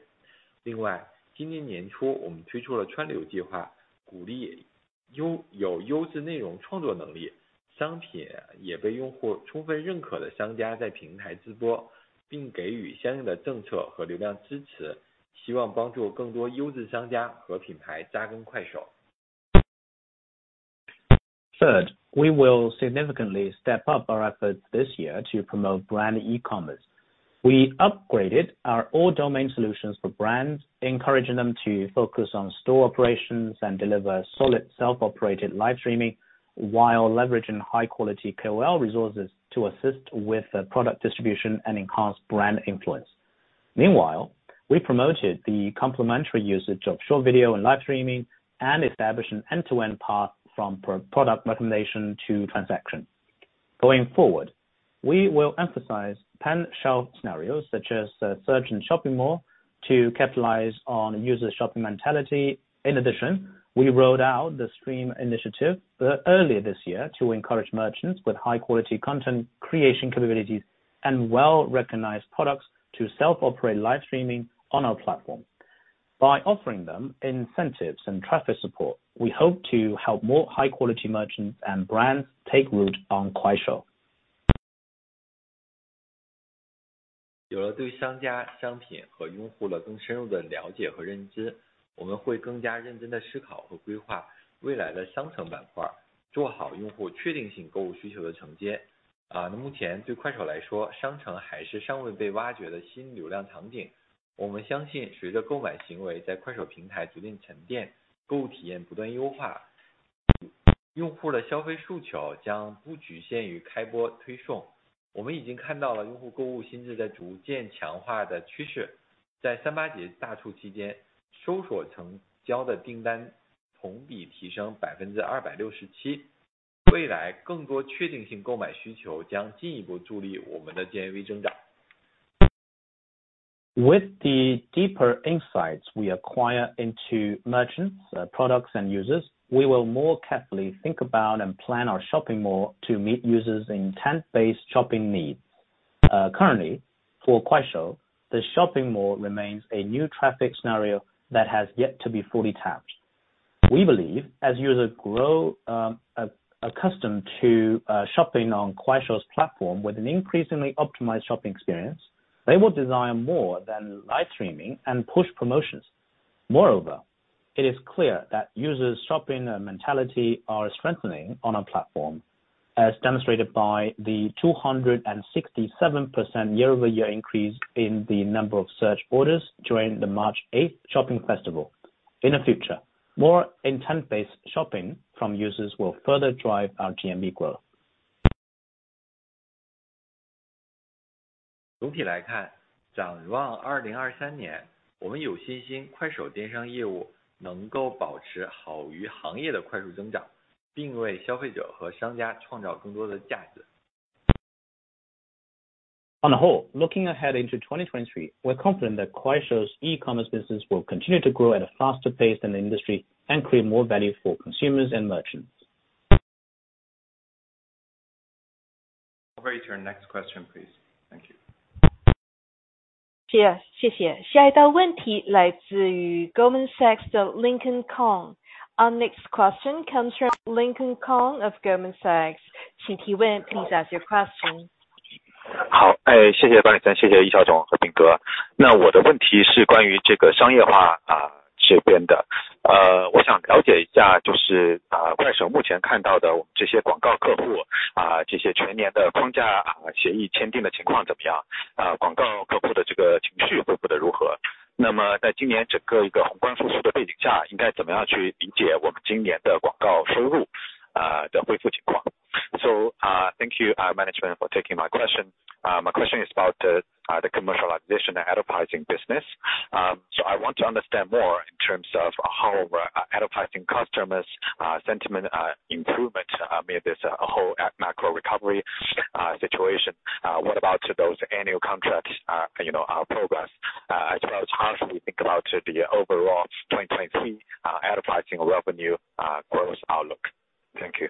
另 外， 今年年初我们推出了川流计 划， 鼓励 优， 有优质内容创作能 力， 商品也被用户充分认可的商家在平台直 播， 并给予相应的政策和流量支 持， 希望帮助更多优质商家和品牌扎根快手。Third, we will significantly step up our efforts this year to promote brand e-commerce. We upgraded our all domain solutions for brands, encouraging them to focus on store operations and deliver solid self-operated live streaming, while leveraging high quality KOL resources to assist with the product distribution and enhance brand influence. Meanwhile, we promoted the complementary usage of short video and live streaming and established an end-to-end path from product recommendation to transaction. Going forward, we will emphasize pan shelf scenarios such as search and shopping mall to capitalize on user's shopping mentality. In addition, we rolled out the Stream Initiative early this year to encourage merchants with high quality content creation capabilities and well-recognized products to self-operate live streaming on our platform. By offering them incentives and traffic support, we hope to help more high quality merchants and brands take root on Kuaishou. 有了对商家、商品和用户的更深入的了解和认 知， 我们会更加认真地思考和规划未来的商城板 块， 做好用户确定性购物需求的承接。那目前对 Kuaishou 来 说， 商城还是尚未被挖掘的新流量场景。我们相 信， 随着购买行为在 Kuaishou 平台逐渐沉 淀， 购物体验不断优 化， 用户的消费诉求将不局限于开播推送。我们已经看到了用户购物心智在逐渐强化的趋势。在38 Shopping Festival 期 间， 搜索成交的订单同比提升 267%。未来更多确定性购买需求将进一步助力我们的 GMV 增长。With the deeper insights we acquire into merchants, products and users, we will more carefully think about and plan our shopping mall to meet users' intent-based shopping needs. Currently, for Kuaishou, the shopping mall remains a new traffic scenario that has yet to be fully tapped. We believe, as users grow accustomed to shopping on Kuaishou's platform with an increasingly optimized shopping experience, they will desire more than live streaming and push promotions. It is clear that users' shopping mentality are strengthening on our platform, as demonstrated by the 267% year-over-year increase in the number of search orders during the 38 Shopping Festival. In the future, more intent-based shopping from users will further drive our GMV growth. 总体来 看， 展望二零二三 年， 我们有信心快手电商业务能够保持好于行业的快速增 长， 并为消费者和商家创造更多的价值。On the whole, looking ahead into 2023, we're confident that Kuaishou's e-commerce business will continue to grow at a faster pace than the industry and create more value for consumers and merchants. Over to our next question, please. Thank you. 是，谢谢。下一道问题来自于 Goldman Sachs 的 Lincoln Kong。Our next question comes from Lincoln Kong of Goldman Sachs. 请提问。Please ask your question. 好。哎… 谢谢方毅 森， 谢谢毅晓 总， 和平哥。那我的问题是关于这个商业化 啊， 这边的。呃… 我想了解一下就 是, 啊快手目前看到的这些广告客 户， 啊这些全年的框架协议签订的情况怎么 样？ 啊广告客户的这个情绪恢复得如 何？ 那么在今年整个一个宏观收缩的背景 下， 应该怎么样去理解我们今年的广告收入啊，的恢复情况 ？So, uh, thank you, uh, management for taking my question. My question is about the commercial acquisition advertising business. I want to understand more in terms of how our advertising customers sentiment improvement amid this whole macro recovery situation. What about those annual contracts, you know, progress, as well as how should we think about the overall 2023 advertising revenue growth outlook? Thank you.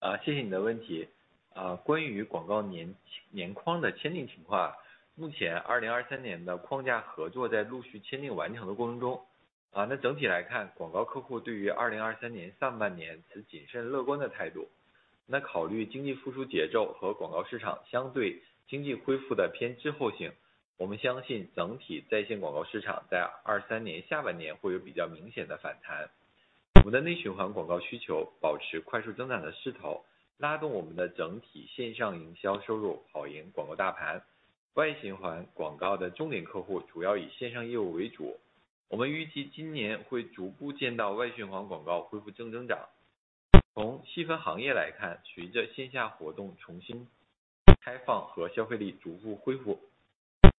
啊， 谢谢你的问题。啊， 关于广告 年， 年框的签订情 况， 目前2023年的框架合作在陆续签订完成的过程中。啊， 那整体来 看， 广告客户对于2023年上半年持谨慎乐观的态度。那考虑经济复苏节奏和广告市场相对经济恢复的偏滞后性，我们相信整体在线广告市场在23年下半年会有比较明显的反弹。我们的内循环广告需求保持快速增长的势 头， 拉动我们的整体线上营销收入好于广告大盘。外循环广告的重点客户主要以线上业务为 主， 我们预计今年会逐步见到外循环广告恢复正增长。从细分行业来 看， 随着线下活动重新开放和消费力逐步恢复，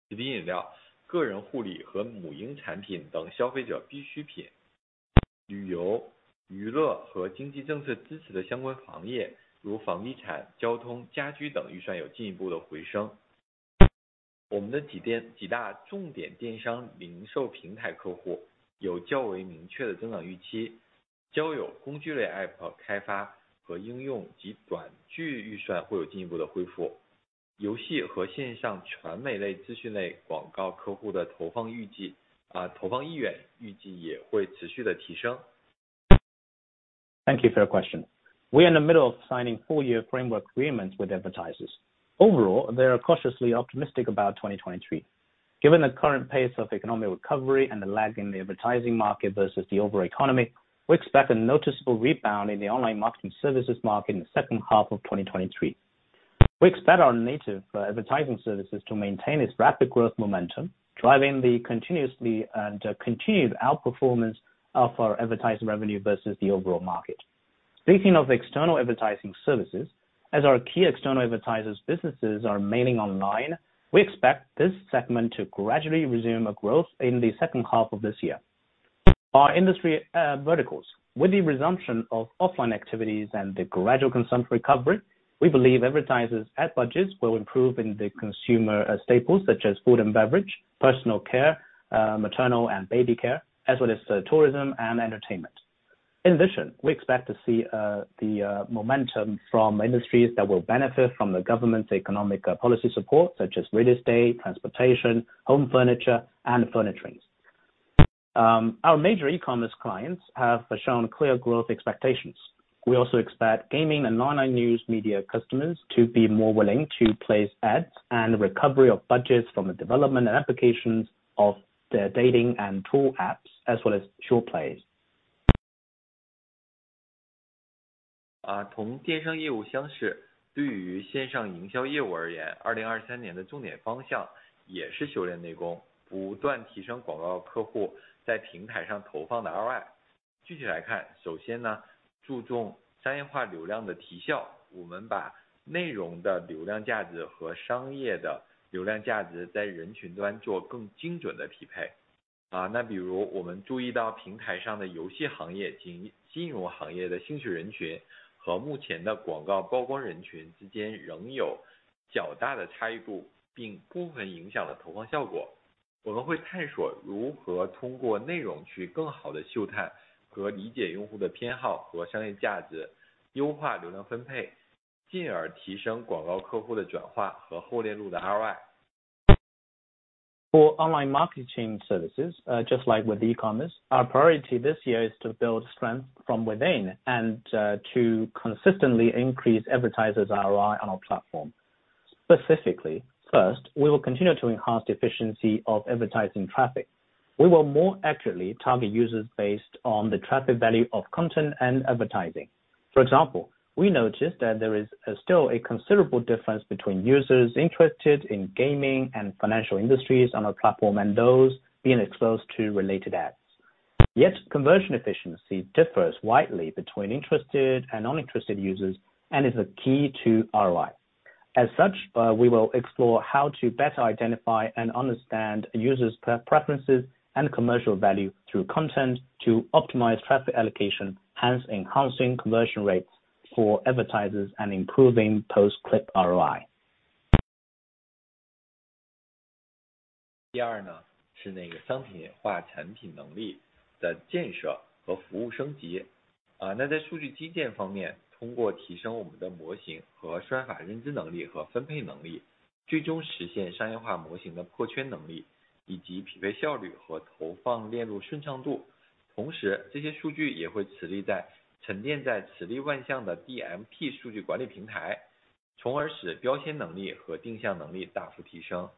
食品饮料、个人护理和母婴产品等消费者必需品、旅游、娱乐和经济政策支持的相关行 业， 如房地产、交通、家居 等， 预算有进一步的回升。我们的几 店， 几大重点电商零售平台客户有较为明确的增长预 期， 交友工具类 APP 开发和应用及短剧预算会有进一步的恢复。游戏和线上传媒类资讯类广告客户的投放预 计， 啊， 投放意愿预计也会持续地提升。Thank you for your question. We are in the middle of signing four-year framework agreements with advertisers. Overall, they are cautiously optimistic about 2023. Given the current pace of economic recovery and the lag in the advertising market versus the overall economy, we expect a noticeable rebound in the online marketing services market in the second half of 2023. We expect our native advertising services to maintain its rapid growth momentum, driving the continued outperformance of our advertising revenue versus the overall market. Speaking of external advertising services, as our key external advertisers businesses are mainly online, we expect this segment to gradually resume a growth in the second half of this year. Our industry verticals. With the resumption of offline activities and the gradual consumption recovery, we believe advertisers ad budgets will improve in the consumer staples such as food and beverage, personal care, maternal and baby care, as well as tourism and entertainment. In addition, we expect to see the momentum from industries that will benefit from the government's economic policy support such as real estate, transportation, home furniture and furnishings. Our major e-commerce clients have shown clear growth expectations. We also expect gaming and online news media customers to be more willing to place ads and recovery of budgets from the development and applications of their dating and tool apps, as well as short plays. 同电商业务相 似， 对于线上营销业务而言 ，2023 年的重点方向也是修炼内 功， 不断提升广告客户在平台上投放的 ROI。具体来 看， 首先 呢， 注重商业化流量的提效。我们把内容的流量价值和商业的流量价值在人群端做更精准的匹配。那比如我们注意到平台上的游戏行业及金融行业的兴趣人群和目前的广告曝光人群之间仍有较大的差异 度， 并部分影响了投放效果。我们会探索如何通过内容去更好地嗅探和理解用户的偏好和商业价 值， 优化流量分 配， 进而提升广告客户的转化和后链路的 ROI。For online marketing services, just like with e-commerce, our priority this year is to build strength from within and to consistently increase advertisers ROI on our platform. Specifically, first, we will continue to enhance the efficiency of advertising traffic. We will more accurately target users based on the traffic value of content and advertising. For example, we noticed that there is still a considerable difference between users interested in gaming and financial industries on our platform and those being exposed to related ads. Yet conversion efficiency differs widely between interested and uninterested users, and is a key to ROI. As such, we will explore how to better identify and understand users pre-preferences and commercial value through content to optimize traffic allocation, hence enhancing conversion rates for advertisers and improving post-click ROI. 第二 呢， 是那个商品化产品能力的建设和服务升级。啊， 那在数据基建方 面， 通过提升我们的模型和算法认知能力和分配能 力， 最终实现商业化模型的破圈能力以及匹配效率和投放链路顺畅度。同时这些数据也会实力 在， 沉淀在磁力万象的 DMP 数据管理平 台， 从而使标签能力和定向能力大幅提升。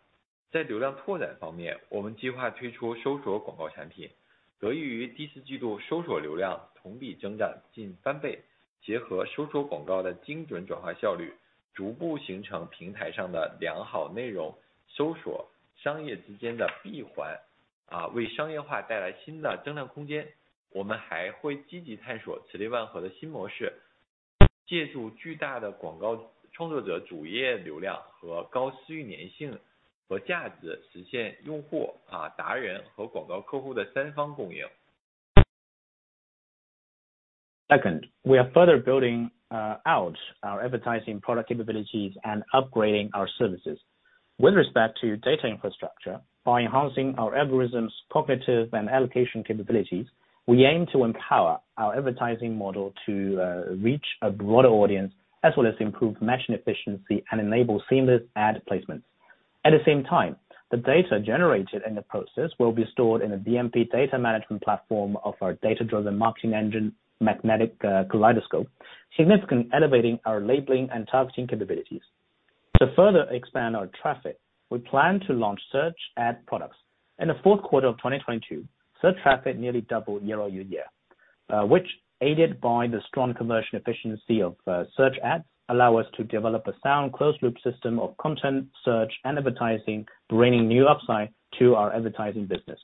在流量拓展方 面， 我们计划推出搜索广告产 品， 得益于第四季度搜索流量同比增长近翻倍。结合搜索广告的精准转化效 率， 逐步形成平台上的良好内 容， 搜索商业之间的闭 环， 啊， 为商业化带来新的增长空间。我们还会积极探索磁力万合的新模 式， 借助巨大的广告创作者主页流量和高私域粘性和价 值， 实现用户、啊， 达人和广告客户的三方共赢。Second, we are further building out our advertising product capabilities and upgrading our services. With respect to data infrastructure, by enhancing our algorithms, cognitive and allocation capabilities, we aim to empower our advertising model to reach a broader audience, as well as improve matching efficiency and enable seamless ad placements. At the same time, the data generated in the process will be stored in a DMP data management platform of our data-driven marketing engine, Magnetic Kaleidoscope, significantly elevating our labeling and targeting capabilities. To further expand our traffic, we plan to launch search ad products. In the fourth quarter of 2022, search traffic nearly doubled year-over-year, which aided by the strong commercial efficiency of search ads, allow us to develop a sound closed-loop system of content, search and advertising, bringing new upside to our advertising business.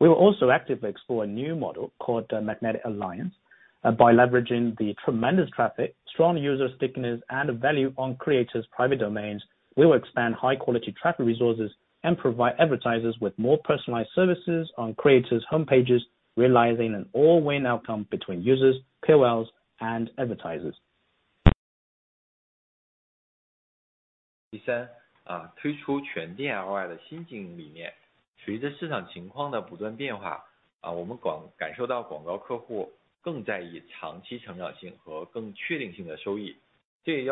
We will also actively explore a new model called Magnetic Alliance. By leveraging the tremendous traffic, strong user stickiness, and value on creators private domains, we will expand high quality traffic resources and provide advertisers with more personalized services on creators homepages, realizing an all win outcome between users, KOLs and advertisers. Third, we introduce a new business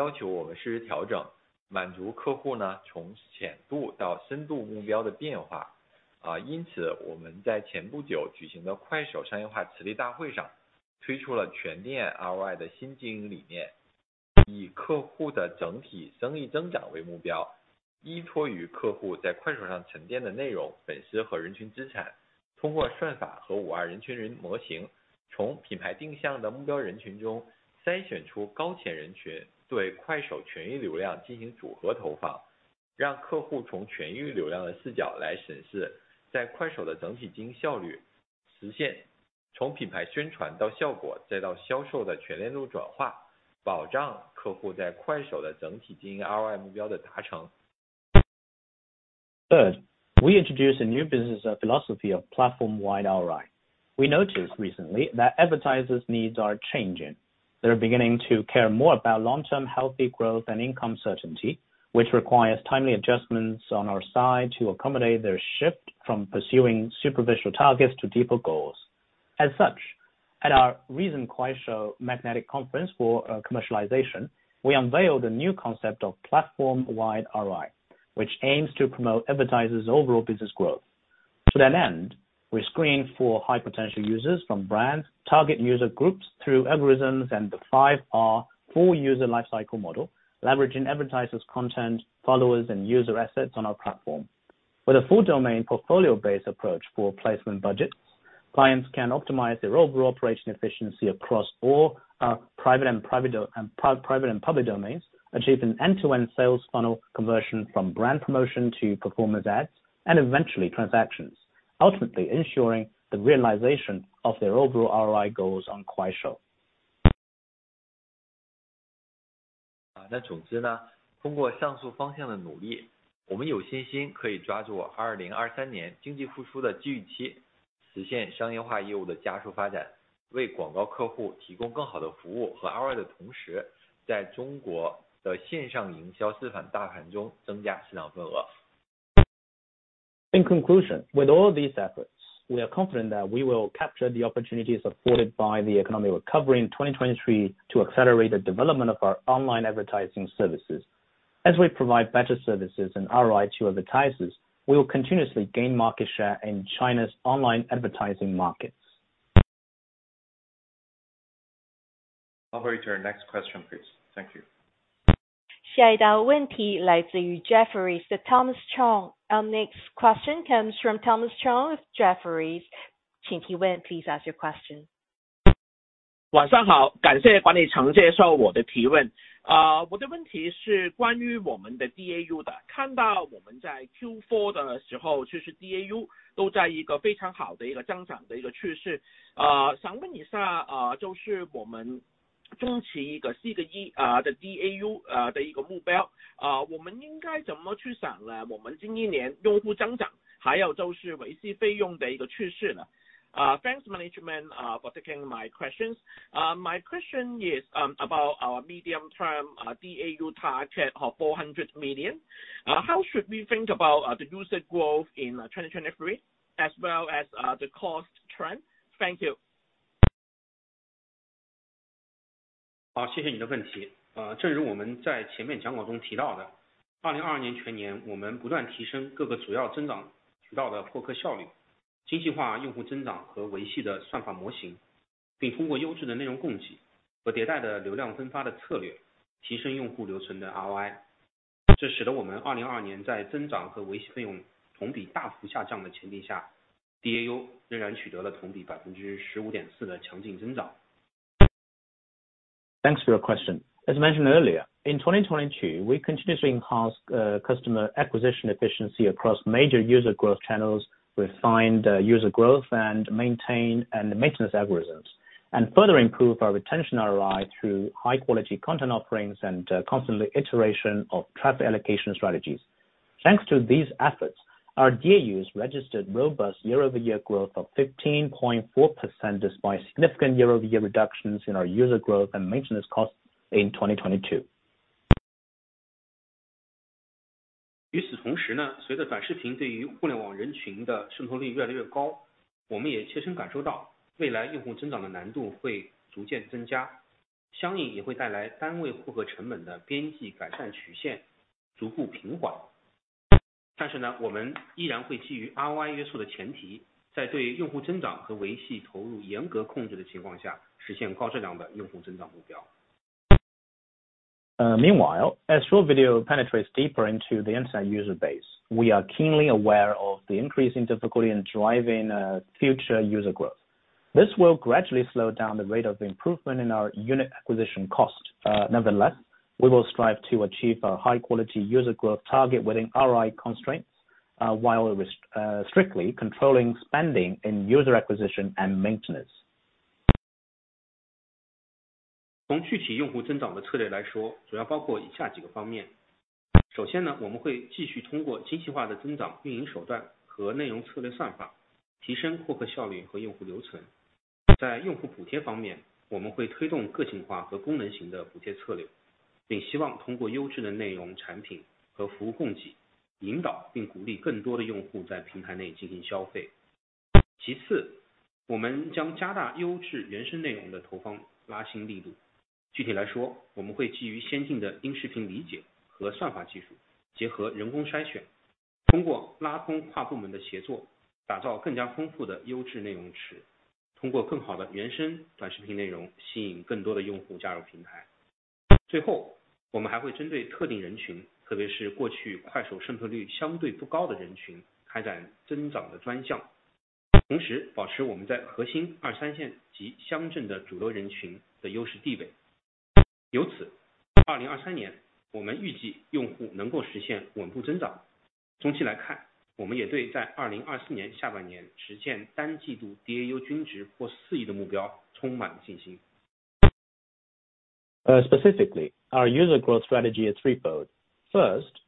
philosophy of platform-wide ROI. We noticed recently that advertisers needs are changing. They are beginning to care more about long-term healthy growth and income certainty, which requires timely adjustments on our side to accommodate their shift from pursuing superficial targets to deeper goals. As such, at our recent Kuaishou Magnetic Conference for commercialization, we unveiled a new concept of platform-wide ROI, which aims to promote advertisers overall business growth. To that end, we screened for high potential users from brands, target user groups through algorithms and the 5R full user lifecycle model, leveraging advertisers, content, followers, and user assets on our platform. With a full domain portfolio-based approach for placement budget, clients can optimize their overall operation efficiency across all private and public domains, achieving end-to-end sales funnel conversion from brand promotion to performance ads, and eventually transactions, ultimately ensuring the realization of their overall ROI goals on Kuaishou. In conclusion, with all these efforts, we are confident that we will capture the opportunities afforded by the economic recovery in 2023 to accelerate the development of our online advertising services. As we provide better services and ROI to advertisers, we will continuously gain market share in China's online advertising markets. I'll hurry to our next question, please. Thank you. Our next question comes from Thomas Chong of Jefferies. Please ask your question. Thanks, management, for taking my questions. My question is about our medium term DAU target of 400 million. How should we think about the user growth in 2023 as well as the cost trend? Thank you. Thanks for your question. As mentioned earlier, in 2022, we continuously enhanced customer acquisition efficiency across major user growth channels, refined user growth and maintenance algorithms, and further improved our retention ROI through high quality content offerings and constantly iteration of traffic allocation strategies. Thanks to these efforts. Our DAUs registered robust year-over-year growth of 15.4%, despite significant year-over-year reductions in our user growth and maintenance costs in 2022. 与此同时 呢， 随着短视频对于互联网人群的渗透率越来越 高， 我们也切身感受到未来用户增长的难度会逐渐增 加， 相应也会带来单位获客成本的边际改善曲线逐步平缓。但是 呢， 我们依然会基于 ROI 约束的前 提， 在对用户增长和维系投入严格控制的情况 下， 实现高质量的用户增长目标。Meanwhile, as short video penetrates deeper into the internet user base, we are keenly aware of the increasing difficulty in driving future user growth. This will gradually slow down the rate of improvement in our unit acquisition cost. Nevertheless, we will strive to achieve a high quality user growth target within ROI constraints, while strictly controlling spending in user acquisition and maintenance. 从具体用户增长的策略来 说， 主要包括以下几个方面。首先 呢， 我们会继续通过精细化的增长运营手段和内容策略算 法， 提升获客效率和用户留存。在用户补贴方 面， 我们会推动个性化和功能型的补贴策略，并希望通过优质的内容、产品和服务供 给， 引导并鼓励更多的用户在平台内进行消费。其 次， 我们将加大优质原生内容的投放拉新力度。具体来 说， 我们会基于先进的音视频理解和算法技 术， 结合人工筛 选， 通过拉通跨部门的协 作， 打造更加丰富的优质内容 池， 通过更好的原生短视频内容吸引更多的用户加入平台。最 后， 我们还会针对特定人 群， 特别是过去快手渗透率相对不高的人 群， 开展增长的专项。同时保持我们在核心二三线及乡镇的主要人群的优势地位。由 此， 二零二三年我们预计用户能够实现稳步增长。中期来 看， 我们也对在二零二四年下半年实现单季度 DAU 均值破四亿的目标充满信心。Specifically, our user growth strategy is threefold.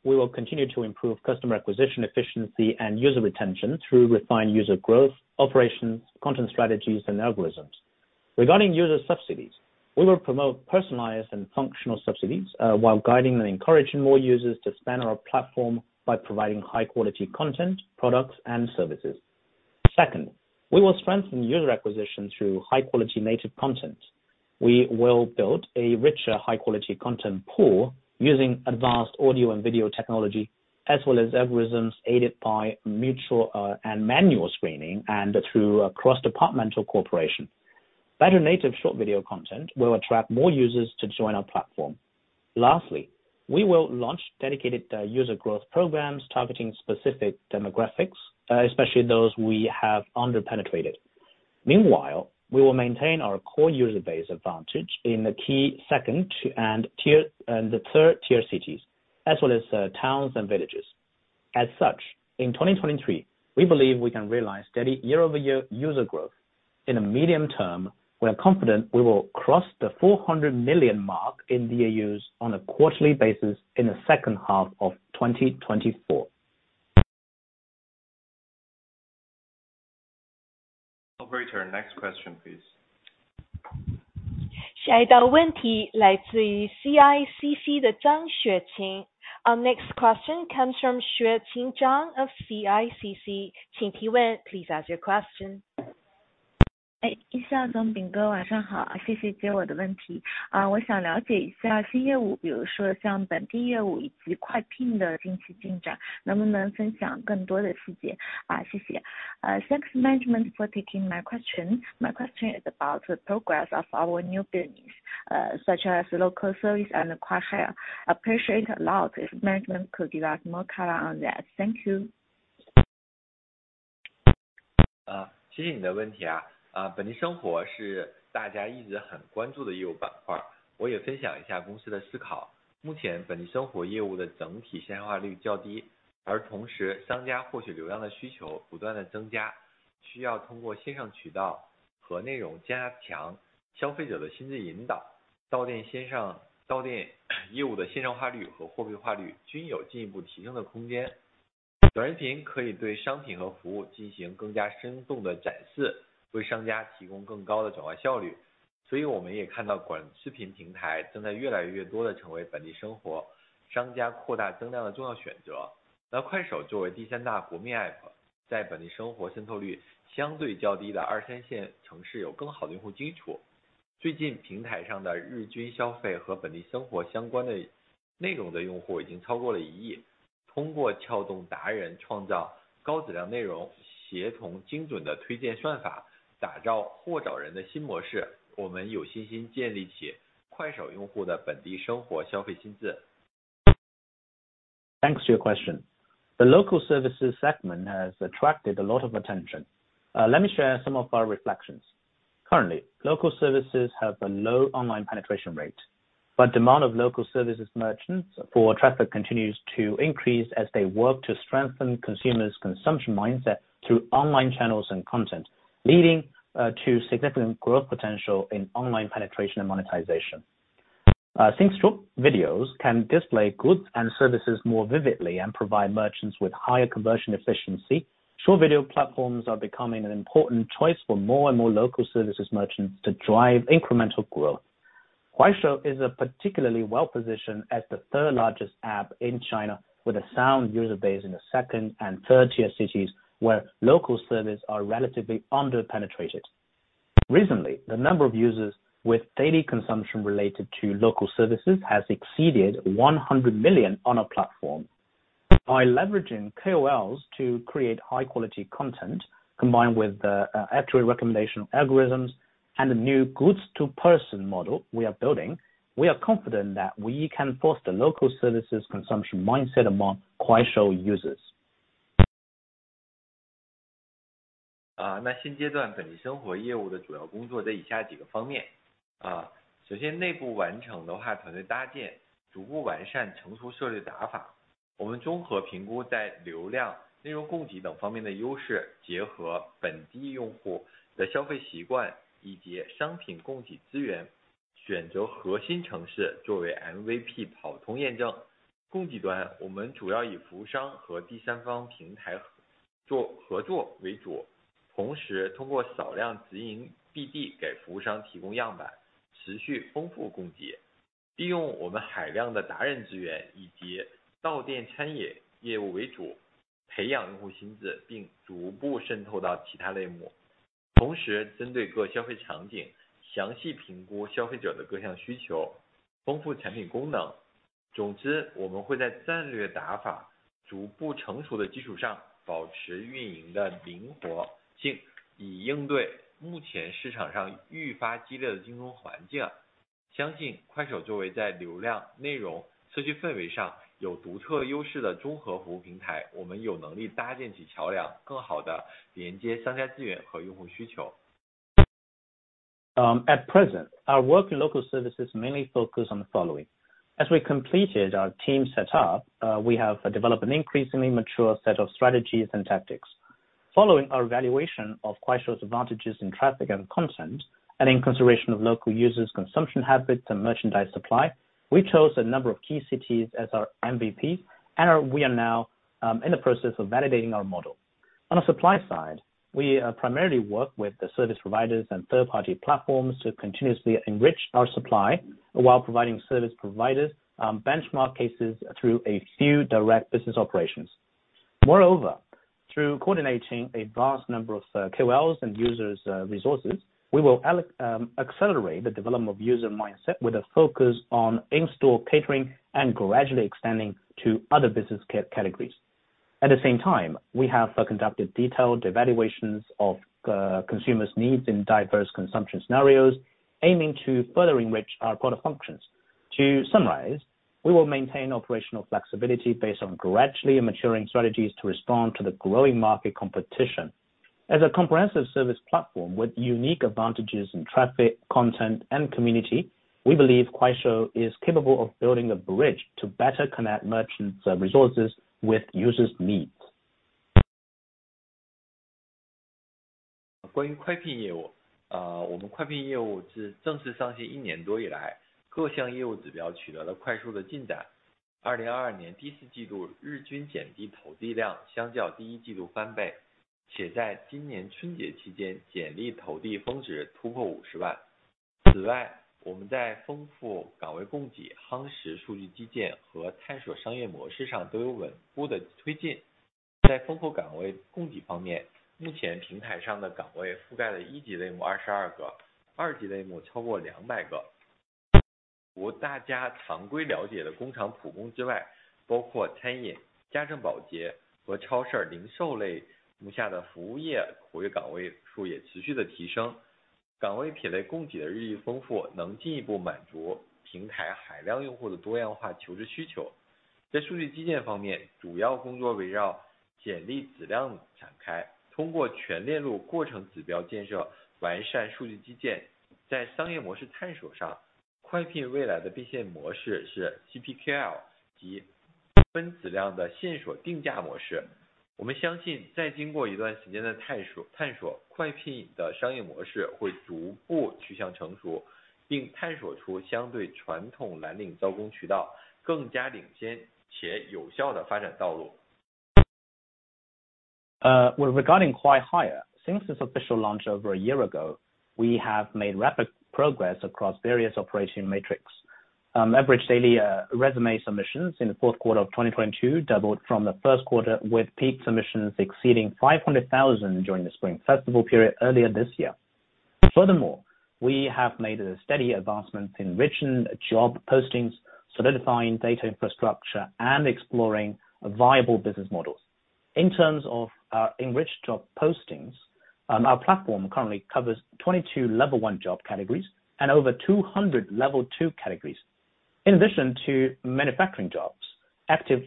We will continue to improve customer acquisition efficiency and user retention through refined user growth operations, content strategies, and algorithms. Regarding user subsidies, we will promote personalized and functional subsidies while guiding and encouraging more users to spend on our platform by providing high quality content, products and services. We will strengthen user acquisition through high quality native content. We will build a richer, high quality content pool using advanced audio and 视频 technology as well as algorithms aided by mutual and manual screening and through cross-departmental cooperation. Better native short video content will attract more users to join our platform. We will launch dedicated user growth programs targeting specific demographics, especially those we have under-penetrated. Meanwhile, we will maintain our core user base advantage in the key second and the third tier cities as well as towns and villages. As such, in 2023, we believe we can realize steady year-over-year user growth. In the medium term, we are confident we will cross the 400 million mark in DAUs on a quarterly basis in the second half of 2024. Operator, next question please. 下一道问题来自于 CICC 的张雪琴。Our next question comes from Xueqing Zhang of CICC. 请提问。Please ask your question. 哎，易晓冬，秉哥，晚上好。谢谢接我的问题。我想了解一下新业务，比如说像本地业务以及快聘的近期进展能不能分享更多的细节？谢谢。Thanks management for taking my question. My question is about the progress of our new business, such as local service and Kuaishou. Appreciate a lot if management could give us more color on that. Thank you. 谢谢你的问题。本地生活是大家一直很关注的业务板 块， 我也分享一下公司的思考。目前本地生活业务的整体线上化率较 低， 同时商家获取流量的需求不断地增 加， 需要通过线上渠道和内容加强消费者的心智引导。到店业务的线上化率和货币化率均有进一步提升的空间。短视频可以对商品和服务进行更加生动的展示，为商家提供更高的转化效率。我们也看到短视频平台正在越来越多地成为本地生活商家扩大增量的重要选择。Kuaishou 作为 third largest 国民 app， 在本地生活渗透率相对较低的 2nd and 3rd tier 城市有更好的用户基础。最近平台上的日均消费和本地生活相关的内容的用户已经超过了100 million。通过撬动达人创造高质量内 容， 协同精准的推荐算法，打造货找人的新模 式， 我们有信心建立起 Kuaishou 用户的本地生活消费心智。Thanks to your question. The local services segment has attracted a lot of attention. Let me share some of our reflections. Currently, local services have a low online penetration rate, but demand of local services merchants for traffic continues to increase as they work to strengthen consumers' consumption mindset through online channels and content, leading to significant growth potential in online penetration and monetization. Since short videos can display goods and services more vividly and provide merchants with higher conversion efficiency, short video platforms are becoming an important choice for more and more local services merchants to drive incremental growth. Kuaishou is a particularly well-positioned as the third largest app in China with a sound user base in the second and third tier cities where local service are relatively under-penetrated. Recently, the number of users with daily consumption related to local services has exceeded 100 million on our platform. By leveraging KOLs to create high quality content, combined with the accurate recommendation algorithms and the new goods to person model we are building, we are confident that we can foster local services consumption mindset among Kuaishou users. 那新阶段本地生活业务的主要工作在以下几个方 面. 首先内部完成的 话, 团队搭 建, 逐步完善成熟策略打 法. 我们综合评估在流 量, 内容供给等方面的优 势, 结合本地用户的消费习惯以及商品供给资 源, 选择核心城市作为 MVP 跑通验 证. 供给端我们主要以服务商和第三方平台做合作为 主, 同时通过少量直营 BD 给服务商提供样 板, 持续丰富供 给. 利用我们海量的达人资源以及到店餐饮业务为 主, 培养用户心 智, 并逐步渗透到其他类 目. 同时针对各消费场 景, 详细评估消费者的各项需 求, 丰富产品功 能. 总 之, 我们会在战略打法逐步成熟的基础 上, 保持运营的灵活 性, 以应对目前市场上愈发激烈的竞争环 境. 相信 Kuaishou 作为在流 量, 内 容, 社区氛围上有独特优势的综合服务平 台, 我们有能力搭建起桥 梁, 更好地连接商家资源和用户需 求. At present, our work in local services mainly focuses on the following: As we completed our team set up, we have developed an increasingly mature set of strategies and tactics. Following our evaluation of Kuaishou's advantages in traffic and content, and in consideration of local users' consumption habits and merchandise supply, we chose a number of key cities as our MVP, we are now in the process of validating our model. On a supply side, we primarily work with the service providers and third-party platforms to continuously enrich our supply while providing service providers, benchmark cases through a few direct business operations. Moreover, through coordinating a vast number of KOLs and users' resources, we will accelerate the development of user mindset with a focus on in-store catering and gradually extending to other business categories. At the same time, we have conducted detailed evaluations of consumers' needs in diverse consumption scenarios, aiming to further enrich our product functions. To summarize, we will maintain operational flexibility based on gradually maturing strategies to respond to the growing market competition. As a comprehensive service platform with unique advantages in traffic, content, and community, we believe Kuaishou is capable of building a bridge to better connect merchants' resources with users' needs. 关于快聘业 务， 啊我们快聘业务自正式上线一年多以来，各项业务指标取得了快速的进展。二零二二年第四季度日均简历投递量相较第一季度翻 倍， 且在今年春节期间简历投递峰值突破五十万。此 外， 我们在丰富岗位供给、夯实数据基建和探索商业模式上都有稳步的推进。在丰富岗位供给方 面， 目前平台上的岗位覆盖了一级类目二十二 个， 二级类目超过两百个。除大家常规了解的工厂普工之 外， 包括餐饮、家政保洁和超市零售类目下的服务业岗位数也持续的提升。岗位体系供给的日益丰 富， 能进一步满足平台海量用户的多样化求职需求。在数据基建方 面， 主要工作围绕简历质量展 开， 通过全链路过程指标建 设， 完善数据基建。在商业模式探索上，快聘未来的变现模式是 CPQL， 即按分子量的线索定价模式。我们相 信， 在经过一段时间的探 索， 探索快聘的商业模式会逐步趋向成 熟， 并探索出相对传统蓝领招工渠道更加领先且有效的发展道路。Well regarding Kwai Hire, since its official launch over a year ago, we have made rapid progress across various operating metrics. Average daily resume submissions in the fourth quarter of 2022 doubled from the first quarter, with peak submissions exceeding 500,000 during the Spring Festival period earlier this year. Furthermore, we have made a steady advancement in enriching job postings, solidifying data infrastructure, and exploring viable business models. In terms of enriched job postings, our platform currently covers 22 level one job categories and over 200 level two categories. In addition to manufacturing jobs, active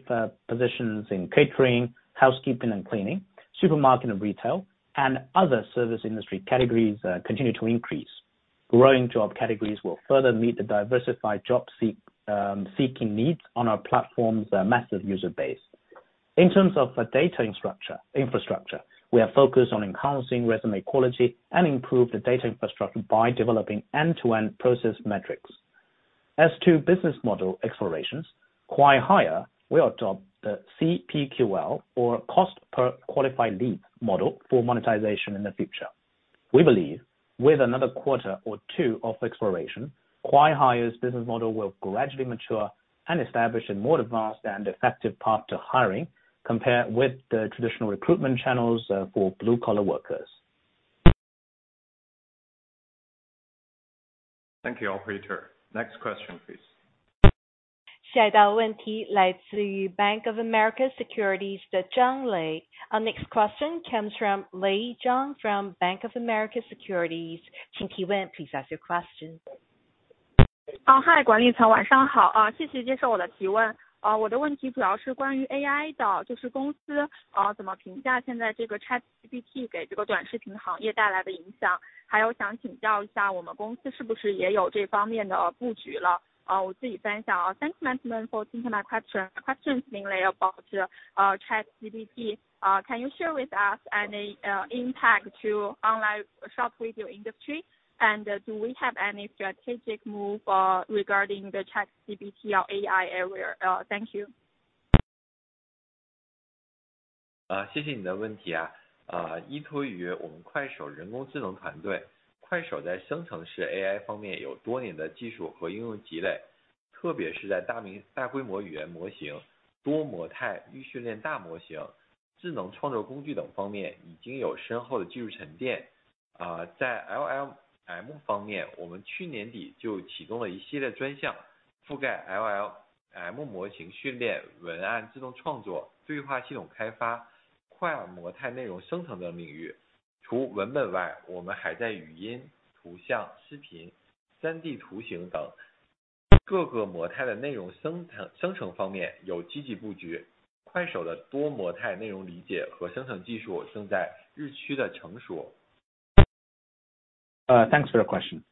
positions in catering, housekeeping and cleaning, supermarket and retail, and other service industry categories continue to increase. Growing job categories will further meet the diversified job seeking needs on our platform's massive user base. In terms of the data infrastructure, we are focused on enhancing resume quality and improve the data infrastructure by developing end-to-end process metrics. As to business model explorations, Kwai Hire will adopt the CPQL or cost per qualified lead model for monetization in the future. We believe with another quarter or two of exploration, Kwai Hire's business model will gradually mature and establish a more advanced and effective path to hiring compared with the traditional recruitment channels for blue-collar workers. Thank you, operator. Next question, please. Bank of America Securities. Our next question comes from Lei Zhang from Bank of America Securities. Please ask your question. Oh, hi. thanks management for taking my question. Questions mainly about ChatGPT. can you share with us any impact to online short video industry? do we have any strategic move regarding the ChatGPT or AI area? thank you. Thanks for your question.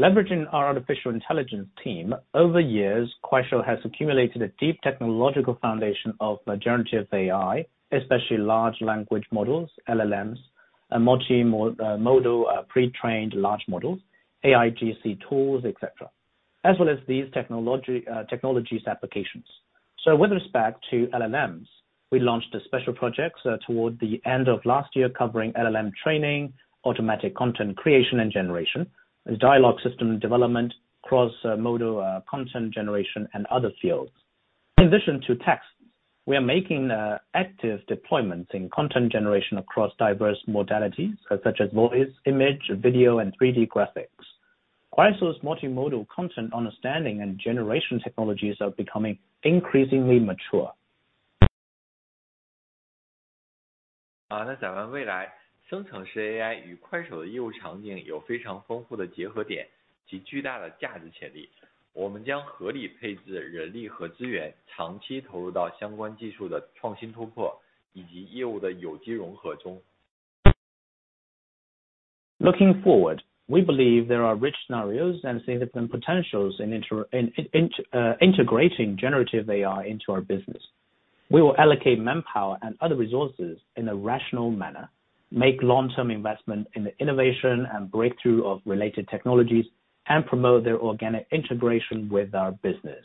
Leveraging our artificial intelligence team, over years, Kuaishou has accumulated a deep technological foundation of generative AI, especially large language models, LLMs, and multi modal pre-trained large models, AIGC tools, etc., as well as these technology technologies applications. With respect to LLMs, we launched a special project toward the end of last year covering LLM training, automatic content creation and generation, dialogue system development, cross modal content generation and other fields. In addition to text, we are making active deployments in content generation across diverse modalities such as voice, image, video, and 3D graphics. Kuaishou's multimodal content understanding and generation technologies are becoming increasingly mature. Looking forward, we believe there are rich scenarios and significant potentials in integrating generative AI into our business. We will allocate manpower and other resources in a rational manner, make long-term investment in the innovation and breakthrough of related technologies, and promote their organic integration with our business.